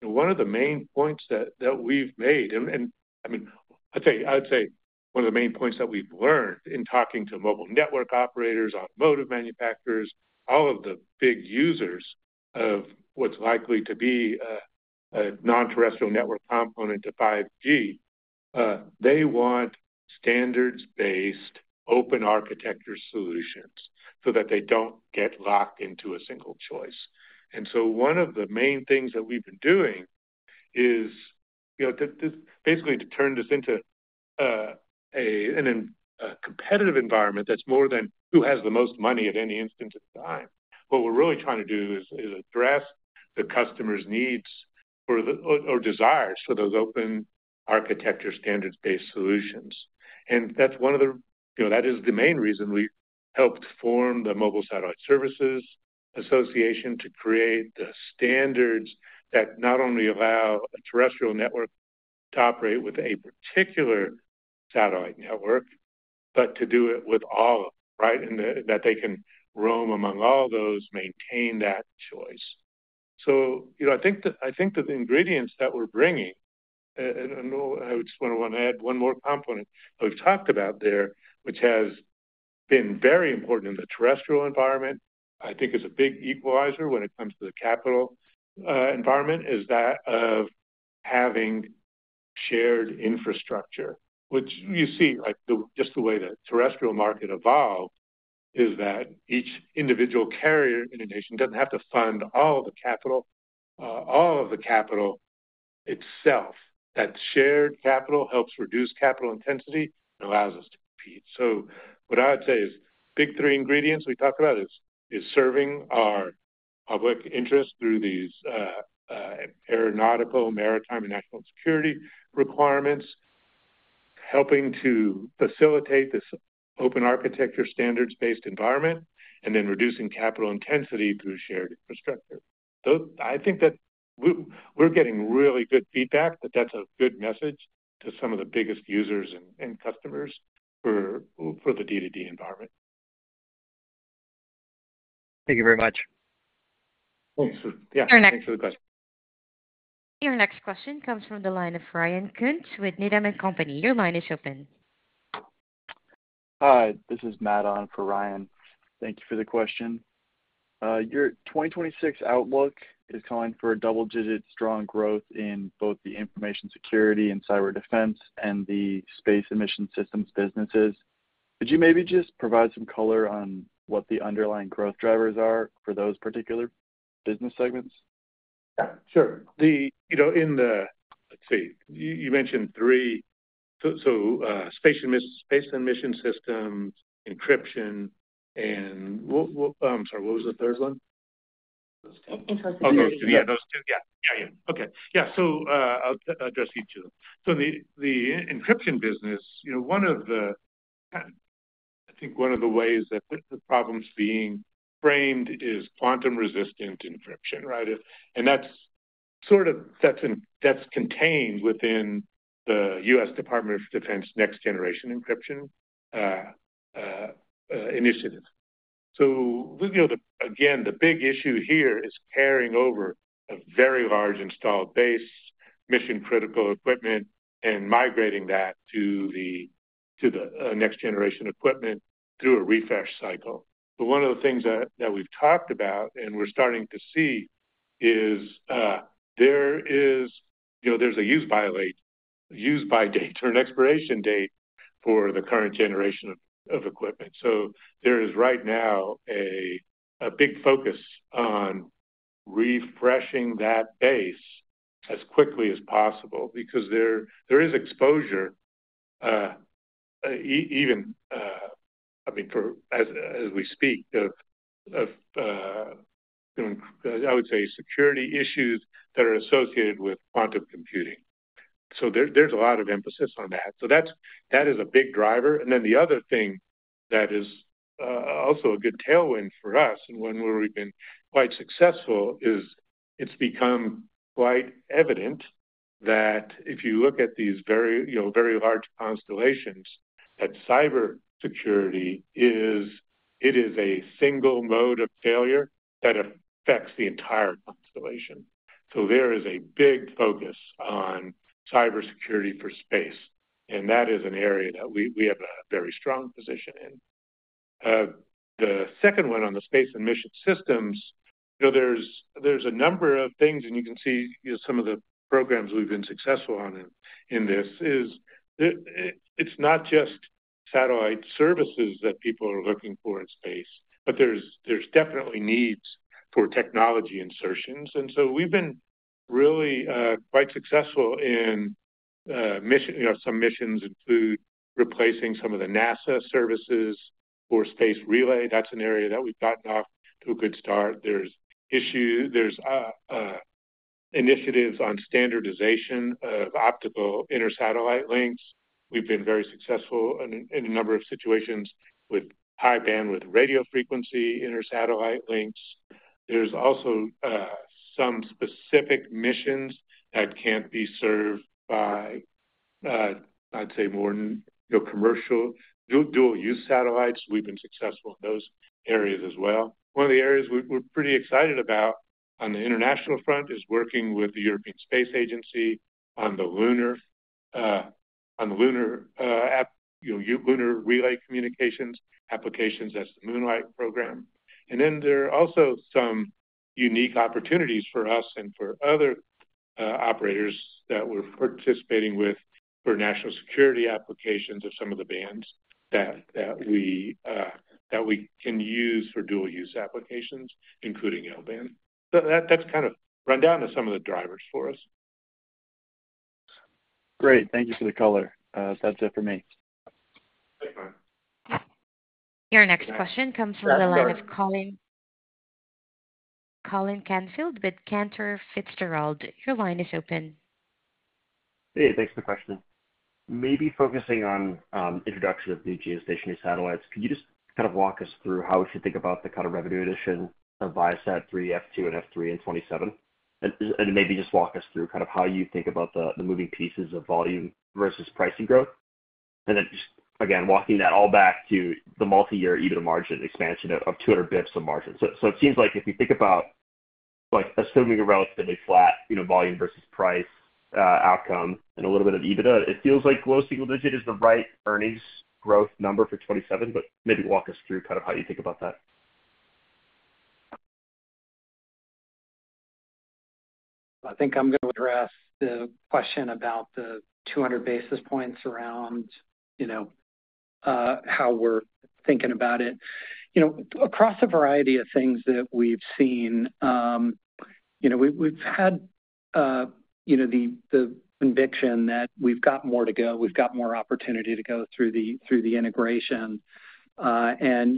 one of the main points that we've made and I mean, I'd say one of the main points that we've learned in talking to mobile network operators, automotive manufacturers, all of the big users of what's likely to be a non-terrestrial network component to 5G, they want standards-based open architecture solutions so that they don't get locked into a single choice. One of the main things that we've been doing is basically to turn this into a competitive environment that's more than who has the most money at any instance of time. What we're really trying to do is address the customer's needs or desires for those open architecture standards-based solutions. That is the main reason we helped form the Mobile Satellite Services Association to create the standards that not only allow a terrestrial network to operate with a particular satellite network, but to do it with all of them, right? And that they can roam among all those, maintain that choice. I think the ingredients that we're bringing, and I just want to add one more component we've talked about there, which has been very important in the terrestrial environment, I think is a big equalizer when it comes to the capital environment, is that of having shared infrastructure, which you see just the way the terrestrial market evolved is that each individual carrier in a nation doesn't have to fund all the capital, all of the capital itself. That shared capital helps reduce capital intensity and allows us to compete. What I would say is big three ingredients we talk about is serving our public interest through these aeronautical, maritime, and national security requirements, helping to facilitate this open architecture standards-based environment, and then reducing capital intensity through shared infrastructure. I think that we're getting really good feedback that that's a good message to some of the biggest users and customers for the DDD environment. Thank you very much. Thanks. Yeah. Thanks for the question. Your next question comes from the line of Ryan Kuntz with Needham & Company. Your line is open. Hi. This is Matt on for Ryan. Thank you for the question. Your 2026 outlook is calling for double-digit strong growth in both the information security and cyber defense and the space emission systems businesses. Could you maybe just provide some color on what the underlying growth drivers are for those particular business segments? Yeah. Sure. In the, let's see, you mentioned three. So space emission systems, encryption, and I'm sorry, what was the third one? Infrastructure. Oh, those two. Yeah, those two. Yeah. Okay. Yeah. I'll address each of them. The encryption business, one of the, I think one of the ways that the problem's being framed is quantum-resistant encryption, right? That's sort of contained within the U.S. Department of Defense Next Generation Encryption Initiative. Again, the big issue here is carrying over a very large installed base, mission-critical equipment, and migrating that to the next generation equipment through a refresh cycle. One of the things that we've talked about and we're starting to see is there is a use-by date or an expiration date for the current generation of equipment. There is right now a big focus on refreshing that base as quickly as possible because there is exposure, even, I mean, as we speak, of, I would say, security issues that are associated with quantum computing. There is a lot of emphasis on that. That is a big driver. The other thing that is also a good tailwind for us and one where we have been quite successful is it has become quite evident that if you look at these very large constellations, cybersecurity is a single mode of failure that affects the entire constellation. There is a big focus on cybersecurity for space. That is an area that we have a very strong position in. The second one on the space and mission systems, there are a number of things, and you can see some of the programs we have been successful on in this. It is not just satellite services that people are looking for in space, but there are definitely needs for technology insertions. We've been really quite successful in some missions, including replacing some of the NASA services for space relay. That's an area that we've gotten off to a good start. There are initiatives on standardization of optical inter-satellite links. We've been very successful in a number of situations with high-bandwidth radio frequency inter-satellite links. There are also some specific missions that can't be served by, I'd say, more commercial dual-use satellites. We've been successful in those areas as well. One of the areas we're pretty excited about on the international front is working with the European Space Agency on the lunar relay communications applications, that's the Moonlight program. There are also some unique opportunities for us and for other operators that we're participating with for national security applications of some of the bands that we can use for dual-use applications, including L-band. That's kind of rundown of some of the drivers for us. Great. Thank you for the color. That's it for me. Thanks, Ryan. Your next question comes from the line of Colin Canfield with Cantor Fitzgerald & Co. Your line is open. Hey. Thanks for the question. Maybe focusing on the introduction of new geostationary satellites, could you just kind of walk us through how we should think about the kind of revenue addition of Viasat-3 F2 and F3 in 2027? Maybe just walk us through kind of how you think about the moving pieces of volume versus pricing growth. Just, again, walking that all back to the multi-year EBITDA margin expansion of 200 basis points of margin. It seems like if you think about assuming a relatively flat volume versus price outcome and a little bit of EBITDA, it feels like low single digit is the right earnings growth number for 2027, but maybe walk us through kind of how you think about that. I think I'm going to address the question about the 200 basis points around how we're thinking about it. Across a variety of things that we've seen, we've had the conviction that we've got more to go. We've got more opportunity to go through the integration. When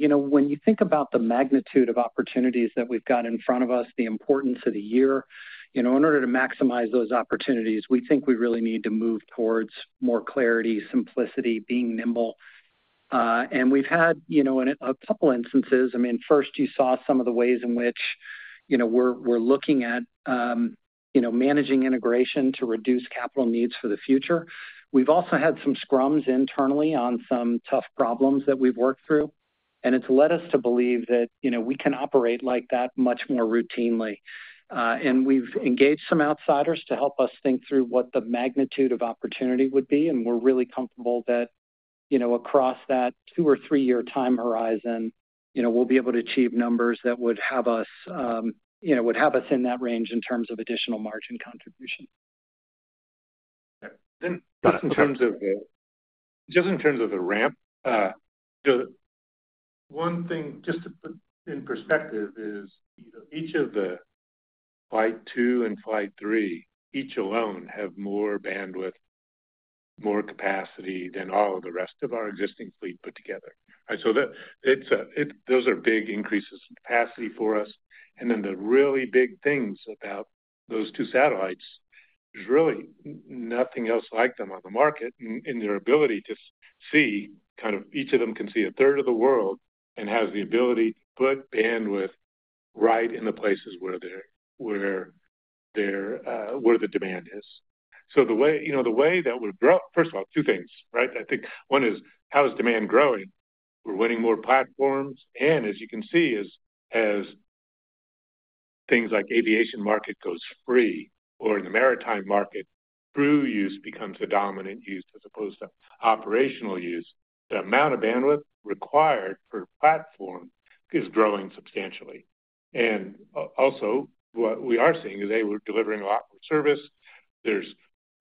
you think about the magnitude of opportunities that we've got in front of us, the importance of the year, in order to maximize those opportunities, we think we really need to move towards more clarity, simplicity, being nimble. We've had a couple of instances. I mean, first, you saw some of the ways in which we're looking at managing integration to reduce capital needs for the future. We've also had some scrums internally on some tough problems that we've worked through. It's led us to believe that we can operate like that much more routinely. We've engaged some outsiders to help us think through what the magnitude of opportunity would be. We're really comfortable that across that two or three-year time horizon, we'll be able to achieve numbers that would have us in that range in terms of additional margin contribution. Just in terms of the ramp, one thing just to put in perspective is each of the Flight 2 and Flight 3, each alone, have more bandwidth, more capacity than all of the rest of our existing fleet put together. Those are big increases in capacity for us. The really big things about those two satellites is really nothing else like them on the market in their ability to see kind of each of them can see a third of the world and has the ability to put bandwidth right in the places where the demand is. The way that we're, first of all, two things, right? I think one is how is demand growing? We're winning more platforms. As you can see, as things like aviation market goes free or in the maritime market, crew use becomes a dominant use as opposed to operational use, the amount of bandwidth required for platforms is growing substantially. Also, what we are seeing is they were delivering a lot more service. There's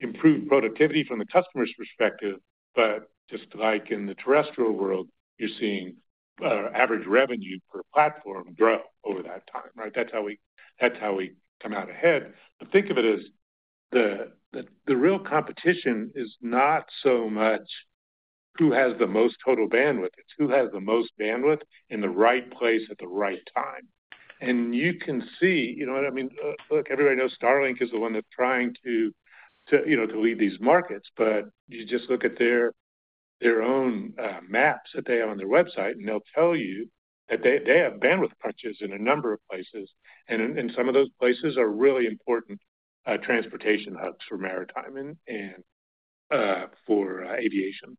improved productivity from the customer's perspective, but just like in the terrestrial world, you're seeing average revenue per platform grow over that time, right? That's how we come out ahead. Think of it as the real competition is not so much who has the most total bandwidth. It's who has the most bandwidth in the right place at the right time. You can see, you know what I mean? Look, everybody knows Starlink is the one that's trying to lead these markets, but you just look at their own maps that they have on their website, and they'll tell you that they have bandwidth crutches in a number of places. Some of those places are really important transportation hubs for maritime and for aviation.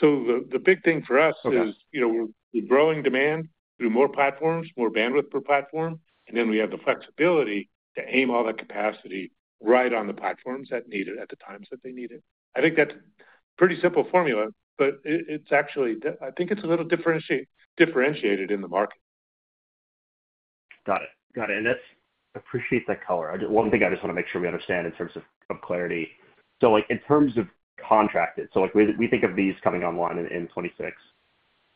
The big thing for us is we're growing demand through more platforms, more bandwidth per platform, and then we have the flexibility to aim all that capacity right on the platforms that need it at the times that they need it. I think that's a pretty simple formula, but it's actually I think it's a little differentiated in the market. Got it. Got it. I appreciate that color. One thing I just want to make sure we understand in terms of clarity. In terms of contracted, we think of these coming online in 2026.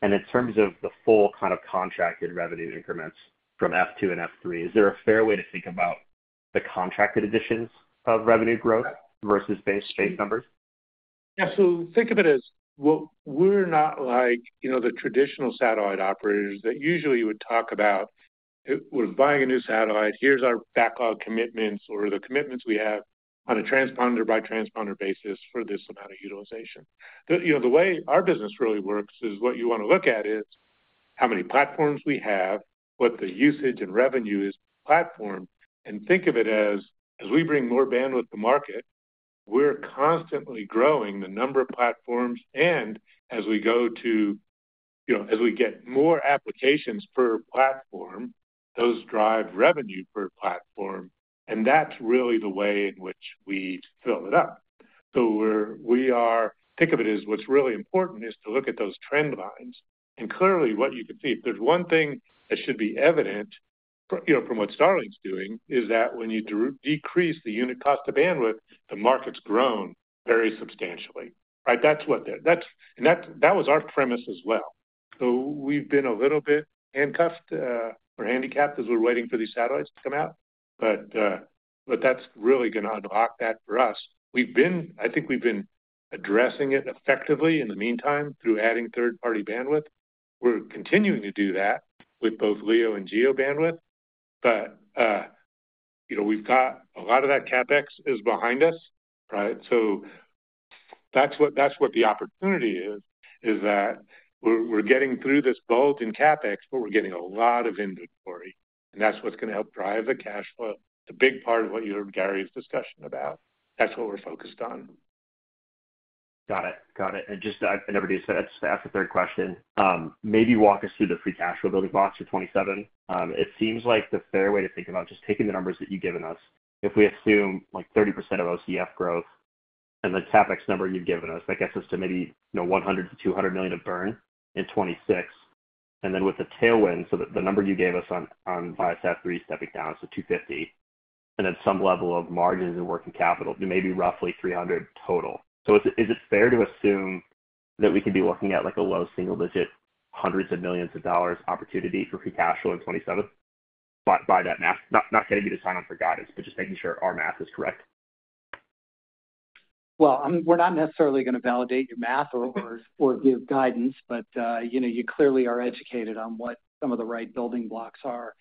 In terms of the full kind of contracted revenue increments from F2 and F3, is there a fair way to think about the contracted additions of revenue growth versus base space numbers? Yeah. So think of it as we're not like the traditional satellite operators that usually would talk about, "We're buying a new satellite. Here's our backlog commitments or the commitments we have on a transponder-by-transponder basis for this amount of utilization." The way our business really works is what you want to look at is how many platforms we have, what the usage and revenue is per platform. Think of it as as we bring more bandwidth to market, we're constantly growing the number of platforms. As we get more applications per platform, those drive revenue per platform. That's really the way in which we fill it up. We are think of it as what's really important is to look at those trend lines. Clearly, what you can see, if there is one thing that should be evident from what Starlink is doing is that when you decrease the unit cost of bandwidth, the market has grown very substantially, right? That is what that is and that was our premise as well. We have been a little bit handcuffed or handicapped as we are waiting for these satellites to come out, but that is really going to unlock that for us. I think we have been addressing it effectively in the meantime through adding third-party bandwidth. We are continuing to do that with both LEO and GEO bandwidth, but we have got a lot of that CapEx behind us, right? That is what the opportunity is, is that we are getting through this bulge in CapEx, but we are getting a lot of inventory. That is what is going to help drive the cash flow, the big part of what you heard Gary's discussion about. That's what we're focused on. Got it. Got it. Just I never do say that's the third question. Maybe walk us through the free cash flow building blocks for 2027. It seems like the fair way to think about just taking the numbers that you've given us. If we assume like 30% of OCF growth and the CapEx number you've given us, that gets us to maybe $100 million to $200 million of burn in 2026, and then with the tailwind, so the number you gave us on Viasat-3 stepping down to $250 million, and then some level of margins and working capital, maybe roughly $300 million total. Is it fair to assume that we could be looking at like a low single-digit, hundreds of millions of dollars opportunity for free cash flow in 2027 by that math? Not getting you to sign on for guidance, but just making sure our math is correct. We're not necessarily going to validate your math or give guidance, but you clearly are educated on what some of the right building blocks are.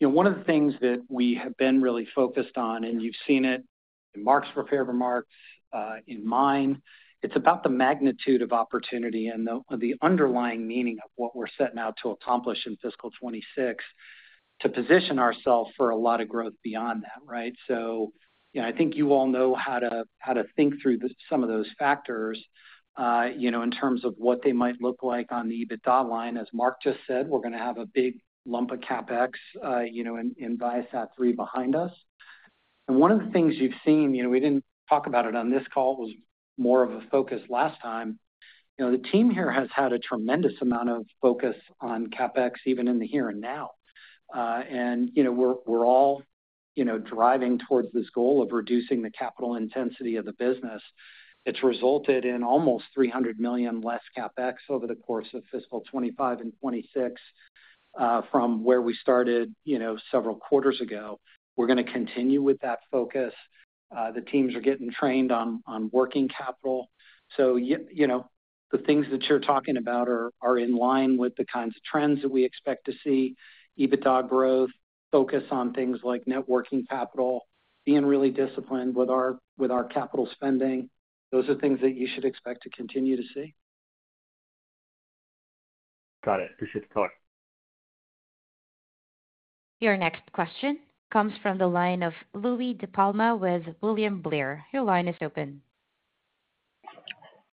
One of the things that we have been really focused on, and you've seen it in Mark's prepared remarks, in mine, it's about the magnitude of opportunity and the underlying meaning of what we're setting out to accomplish in fiscal 2026 to position ourselves for a lot of growth beyond that, right? I think you all know how to think through some of those factors in terms of what they might look like on the EBITDA line. As Mark just said, we're going to have a big lump of CapEx in Viasat-3 behind us. One of the things you've seen, we didn't talk about it on this call. It was more of a focus last time. The team here has had a tremendous amount of focus on CapEx even in the here and now. We are all driving towards this goal of reducing the capital intensity of the business. It has resulted in almost $300 million less CapEx over the course of fiscal 2025 and 2026 from where we started several quarters ago. We are going to continue with that focus. The teams are getting trained on working capital. The things that you are talking about are in line with the kinds of trends that we expect to see: EBITDA growth, focus on things like networking capital, being really disciplined with our capital spending. Those are things that you should expect to continue to see. Got it. Appreciate the color. Your next question comes from the line of Louie DiPalma with William Blair. Your line is open.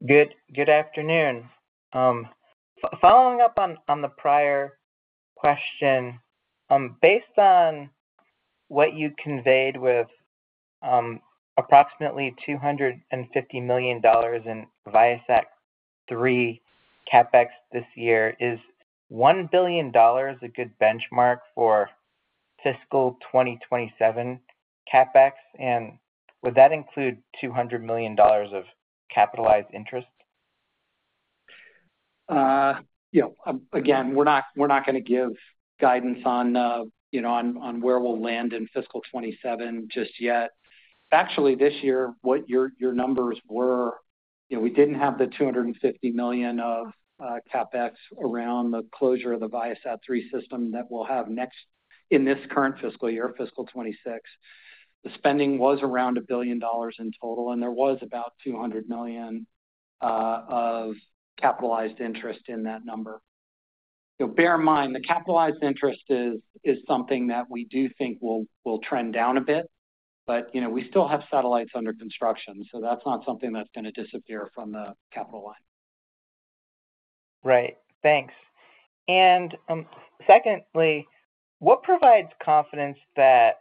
Good afternoon. Following up on the prior question, based on what you conveyed with approximately $250 million in Viasat-3 CapEx this year, is $1 billion a good benchmark for fiscal 2027 CapEx? Would that include $200 million of capitalized interest? Again, we're not going to give guidance on where we'll land in fiscal 2027 just yet. Actually, this year, what your numbers were, we didn't have the $250 million of CapEx around the closure of the Viasat-3 system that we'll have next in this current fiscal year, fiscal 2026. The spending was around $1 billion in total, and there was about $200 million of capitalized interest in that number. Bear in mind, the capitalized interest is something that we do think will trend down a bit, but we still have satellites under construction. That is not something that's going to disappear from the capital line. Right. Thanks. Secondly, what provides confidence that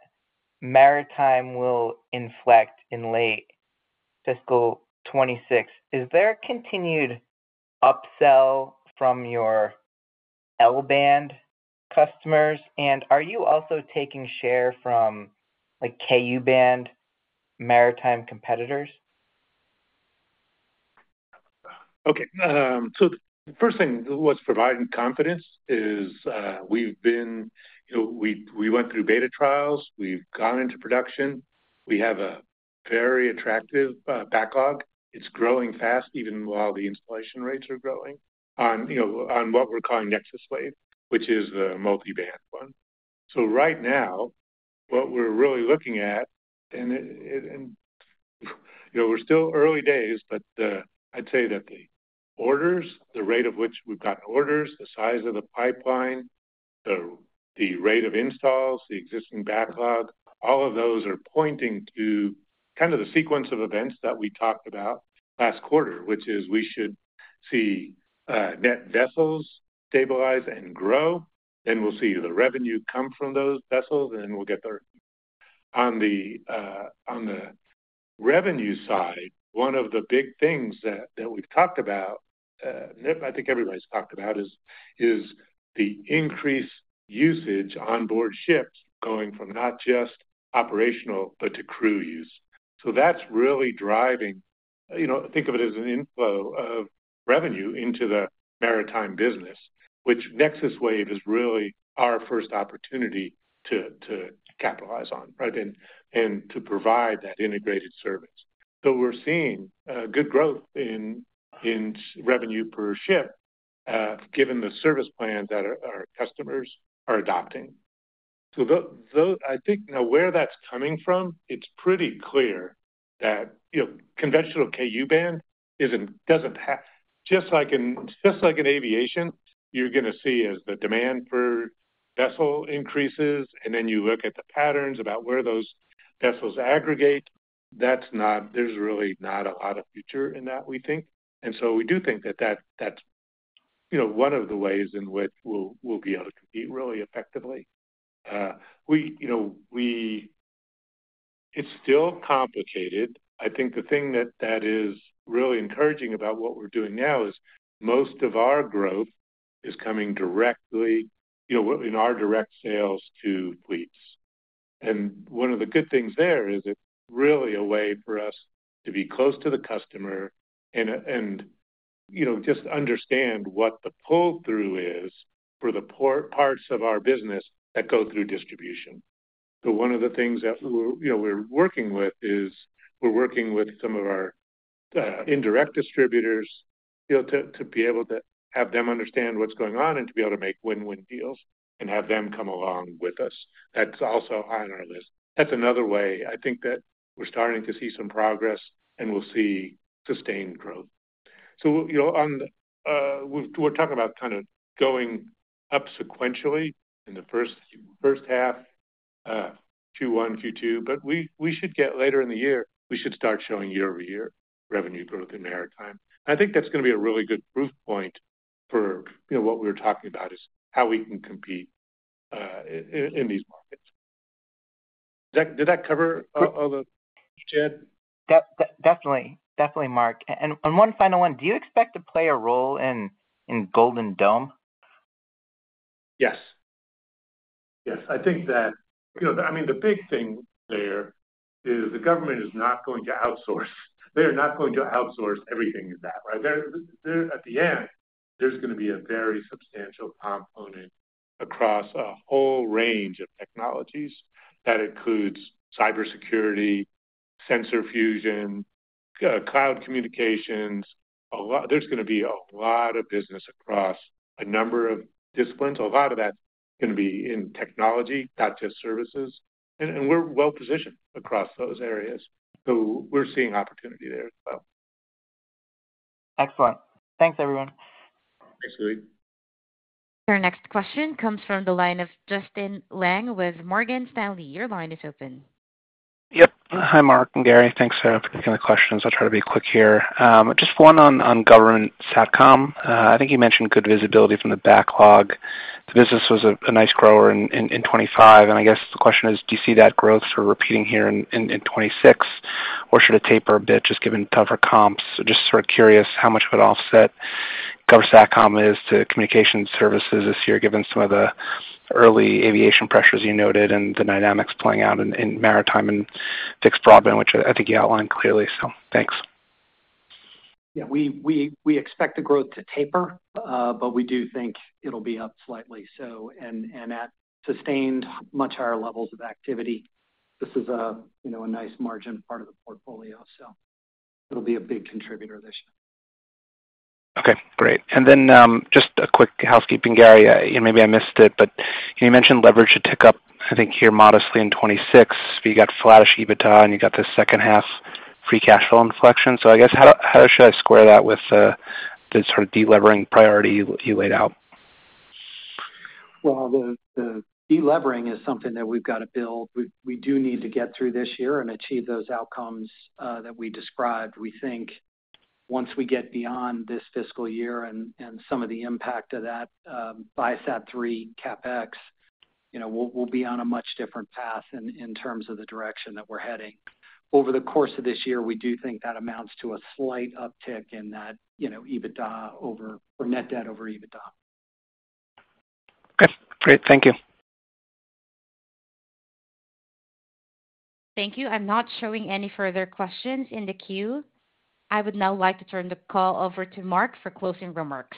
maritime will inflect in late fiscal 2026? Is there continued upsell from your L-band customers? Are you also taking share from KU-band maritime competitors? Okay. The first thing that was providing confidence is we've been, we went through beta trials. We've gone into production. We have a very attractive backlog. It's growing fast, even while the installation rates are growing, on what we're calling NexusWave, which is the multi-band one. Right now, what we're really looking at, and we're still early days, but I'd say that the orders, the rate at which we've gotten orders, the size of the pipeline, the rate of installs, the existing backlog, all of those are pointing to kind of the sequence of events that we talked about last quarter, which is we should see net vessels stabilize and grow. We will see the revenue come from those vessels, and then we'll get the. On the revenue side, one of the big things that we've talked about, I think everybody's talked about, is the increased usage onboard ships going from not just operational, but to crew use. That's really driving, think of it as an inflow of revenue into the maritime business, which NexusWave is really our first opportunity to capitalize on, right, and to provide that integrated service. We're seeing good growth in revenue per ship given the service plans that our customers are adopting. I think now where that's coming from, it's pretty clear that conventional KU-band doesn't have, just like in aviation, you're going to see as the demand for vessel increases, and then you look at the patterns about where those vessels aggregate, there's really not a lot of future in that, we think. We do think that that's one of the ways in which we'll be able to compete really effectively. It's still complicated. I think the thing that is really encouraging about what we're doing now is most of our growth is coming directly in our direct sales to fleets. One of the good things there is it's really a way for us to be close to the customer and just understand what the pull-through is for the parts of our business that go through distribution. One of the things that we're working with is we're working with some of our indirect distributors to be able to have them understand what's going on and to be able to make win-win deals and have them come along with us. That's also on our list. That's another way I think that we're starting to see some progress, and we'll see sustained growth. We're talking about kind of going up sequentially in the first half, Q1, Q2, but as we get later in the year, we should start showing year-over-year revenue growth in maritime. I think that's going to be a really good proof point for what we were talking about is how we can compete in these markets. Did that cover all the questions, Chad? Definitely. Definitely, Mark. One final one. Do you expect to play a role in Golden Dome? Yes. Yes. I think that, I mean, the big thing there is the government is not going to outsource. They are not going to outsource everything of that, right? At the end, there's going to be a very substantial component across a whole range of technologies that includes cybersecurity, sensor fusion, cloud communications. There's going to be a lot of business across a number of disciplines. A lot of that's going to be in technology, not just services. We're well-positioned across those areas. We're seeing opportunity there as well. Excellent. Thanks, everyone. Thanks, Louis. Your next question comes from the line of Justin Lang with Morgan Stanley. Your line is open. Yep. Hi, Mark and Gary. Thanks, Sarah, for taking the questions. I'll try to be quick here. Just one on government SATCOM. I think you mentioned good visibility from the backlog. The business was a nice grower in 2025. I guess the question is, do you see that growth sort of repeating here in 2026, or should it taper a bit just given tougher comps? Just sort of curious how much of an offset government SATCOM is to communication services this year, given some of the early aviation pressures you noted and the dynamics playing out in maritime and fixed broadband, which I think you outlined clearly. Thanks. Yeah. We expect the growth to taper, but we do think it'll be up slightly. At sustained much higher levels of activity, this is a nice margin part of the portfolio. It will be a big contributor this year. Okay. Great. And then just a quick housekeeping, Gary, maybe I missed it, but you mentioned leverage should tick up, I think, here modestly in 2026. You got flash EBITDA, and you got the second-half free cash flow inflection. So I guess how should I square that with the sort of delevering priority you laid out? The delevering is something that we've got to build. We do need to get through this year and achieve those outcomes that we described. We think once we get beyond this fiscal year and some of the impact of that Viasat-3 CapEx, we'll be on a much different path in terms of the direction that we're heading. Over the course of this year, we do think that amounts to a slight uptick in that EBITDA or net debt over EBITDA. Okay. Great. Thank you. Thank you. I'm not showing any further questions in the queue. I would now like to turn the call over to Mark for closing remarks.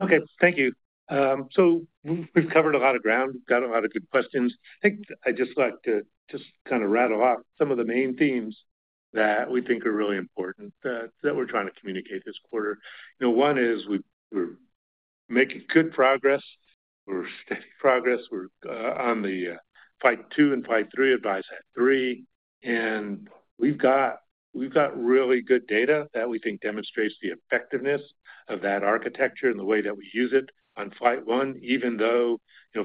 Okay. Thank you. We've covered a lot of ground. We've got a lot of good questions. I think I just like to kind of rattle off some of the main themes that we think are really important that we're trying to communicate this quarter. One is we're making good progress. We're steady progress. We're on the flight two and flight three of Viasat-3. We've got really good data that we think demonstrates the effectiveness of that architecture and the way that we use it on flight one. Even though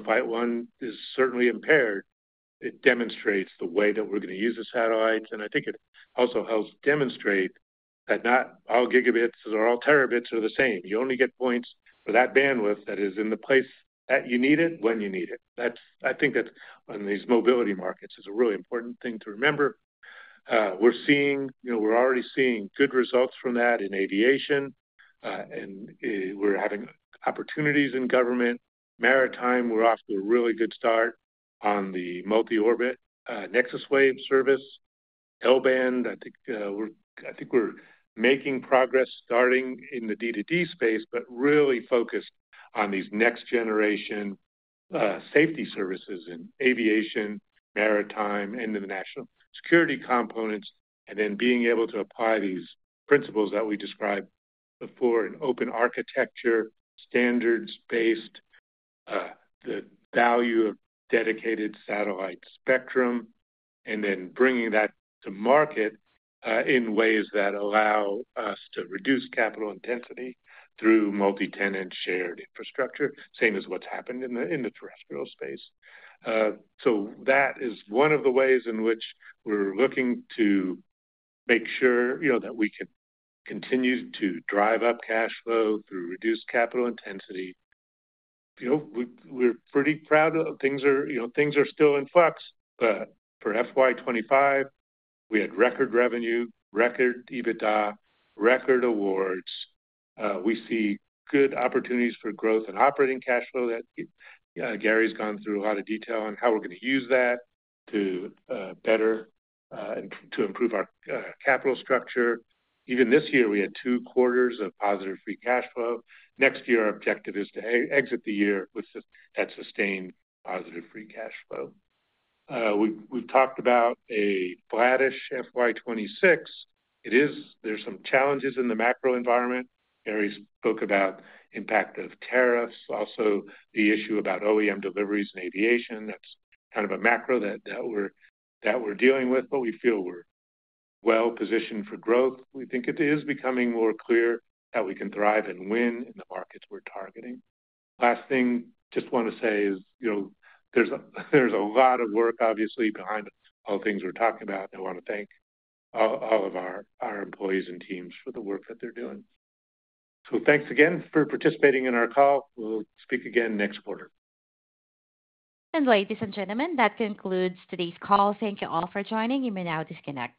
flight one is certainly impaired, it demonstrates the way that we're going to use the satellites. I think it also helps demonstrate that not all gigabits or all terabits are the same. You only get points for that bandwidth that is in the place that you need it when you need it. I think that's on these mobility markets is a really important thing to remember. We're seeing we're already seeing good results from that in aviation. We're having opportunities in government. Maritime, we're off to a really good start on the multi-orbit NexusWave service. L-band, I think we're making progress starting in the D2D space, but really focused on these next-generation safety services in aviation, maritime, and the national security components. Being able to apply these principles that we described before in open architecture, standards-based, the value of dedicated satellite spectrum, and then bringing that to market in ways that allow us to reduce capital intensity through multi-tenant shared infrastructure, same as what's happened in the terrestrial space. That is one of the ways in which we're looking to make sure that we can continue to drive up cash flow through reduced capital intensity. We're pretty proud of things are still in flux, but for FY25, we had record revenue, record EBITDA, record awards. We see good opportunities for growth and operating cash flow that Gary's gone through a lot of detail on how we're going to use that to improve our capital structure. Even this year, we had two quarters of positive free cash flow. Next year, our objective is to exit the year with that sustained positive free cash flow. We've talked about a flattish FY26. There's some challenges in the macro environment. Gary spoke about the impact of tariffs, also the issue about OEM deliveries and aviation. That's kind of a macro that we're dealing with, but we feel we're well-positioned for growth. We think it is becoming more clear that we can thrive and win in the markets we're targeting. Last thing I just want to say is there's a lot of work, obviously, behind all the things we're talking about. I want to thank all of our employees and teams for the work that they're doing. Thanks again for participating in our call. We'll speak again next quarter. Ladies and gentlemen, that concludes today's call. Thank you all for joining. You may now disconnect.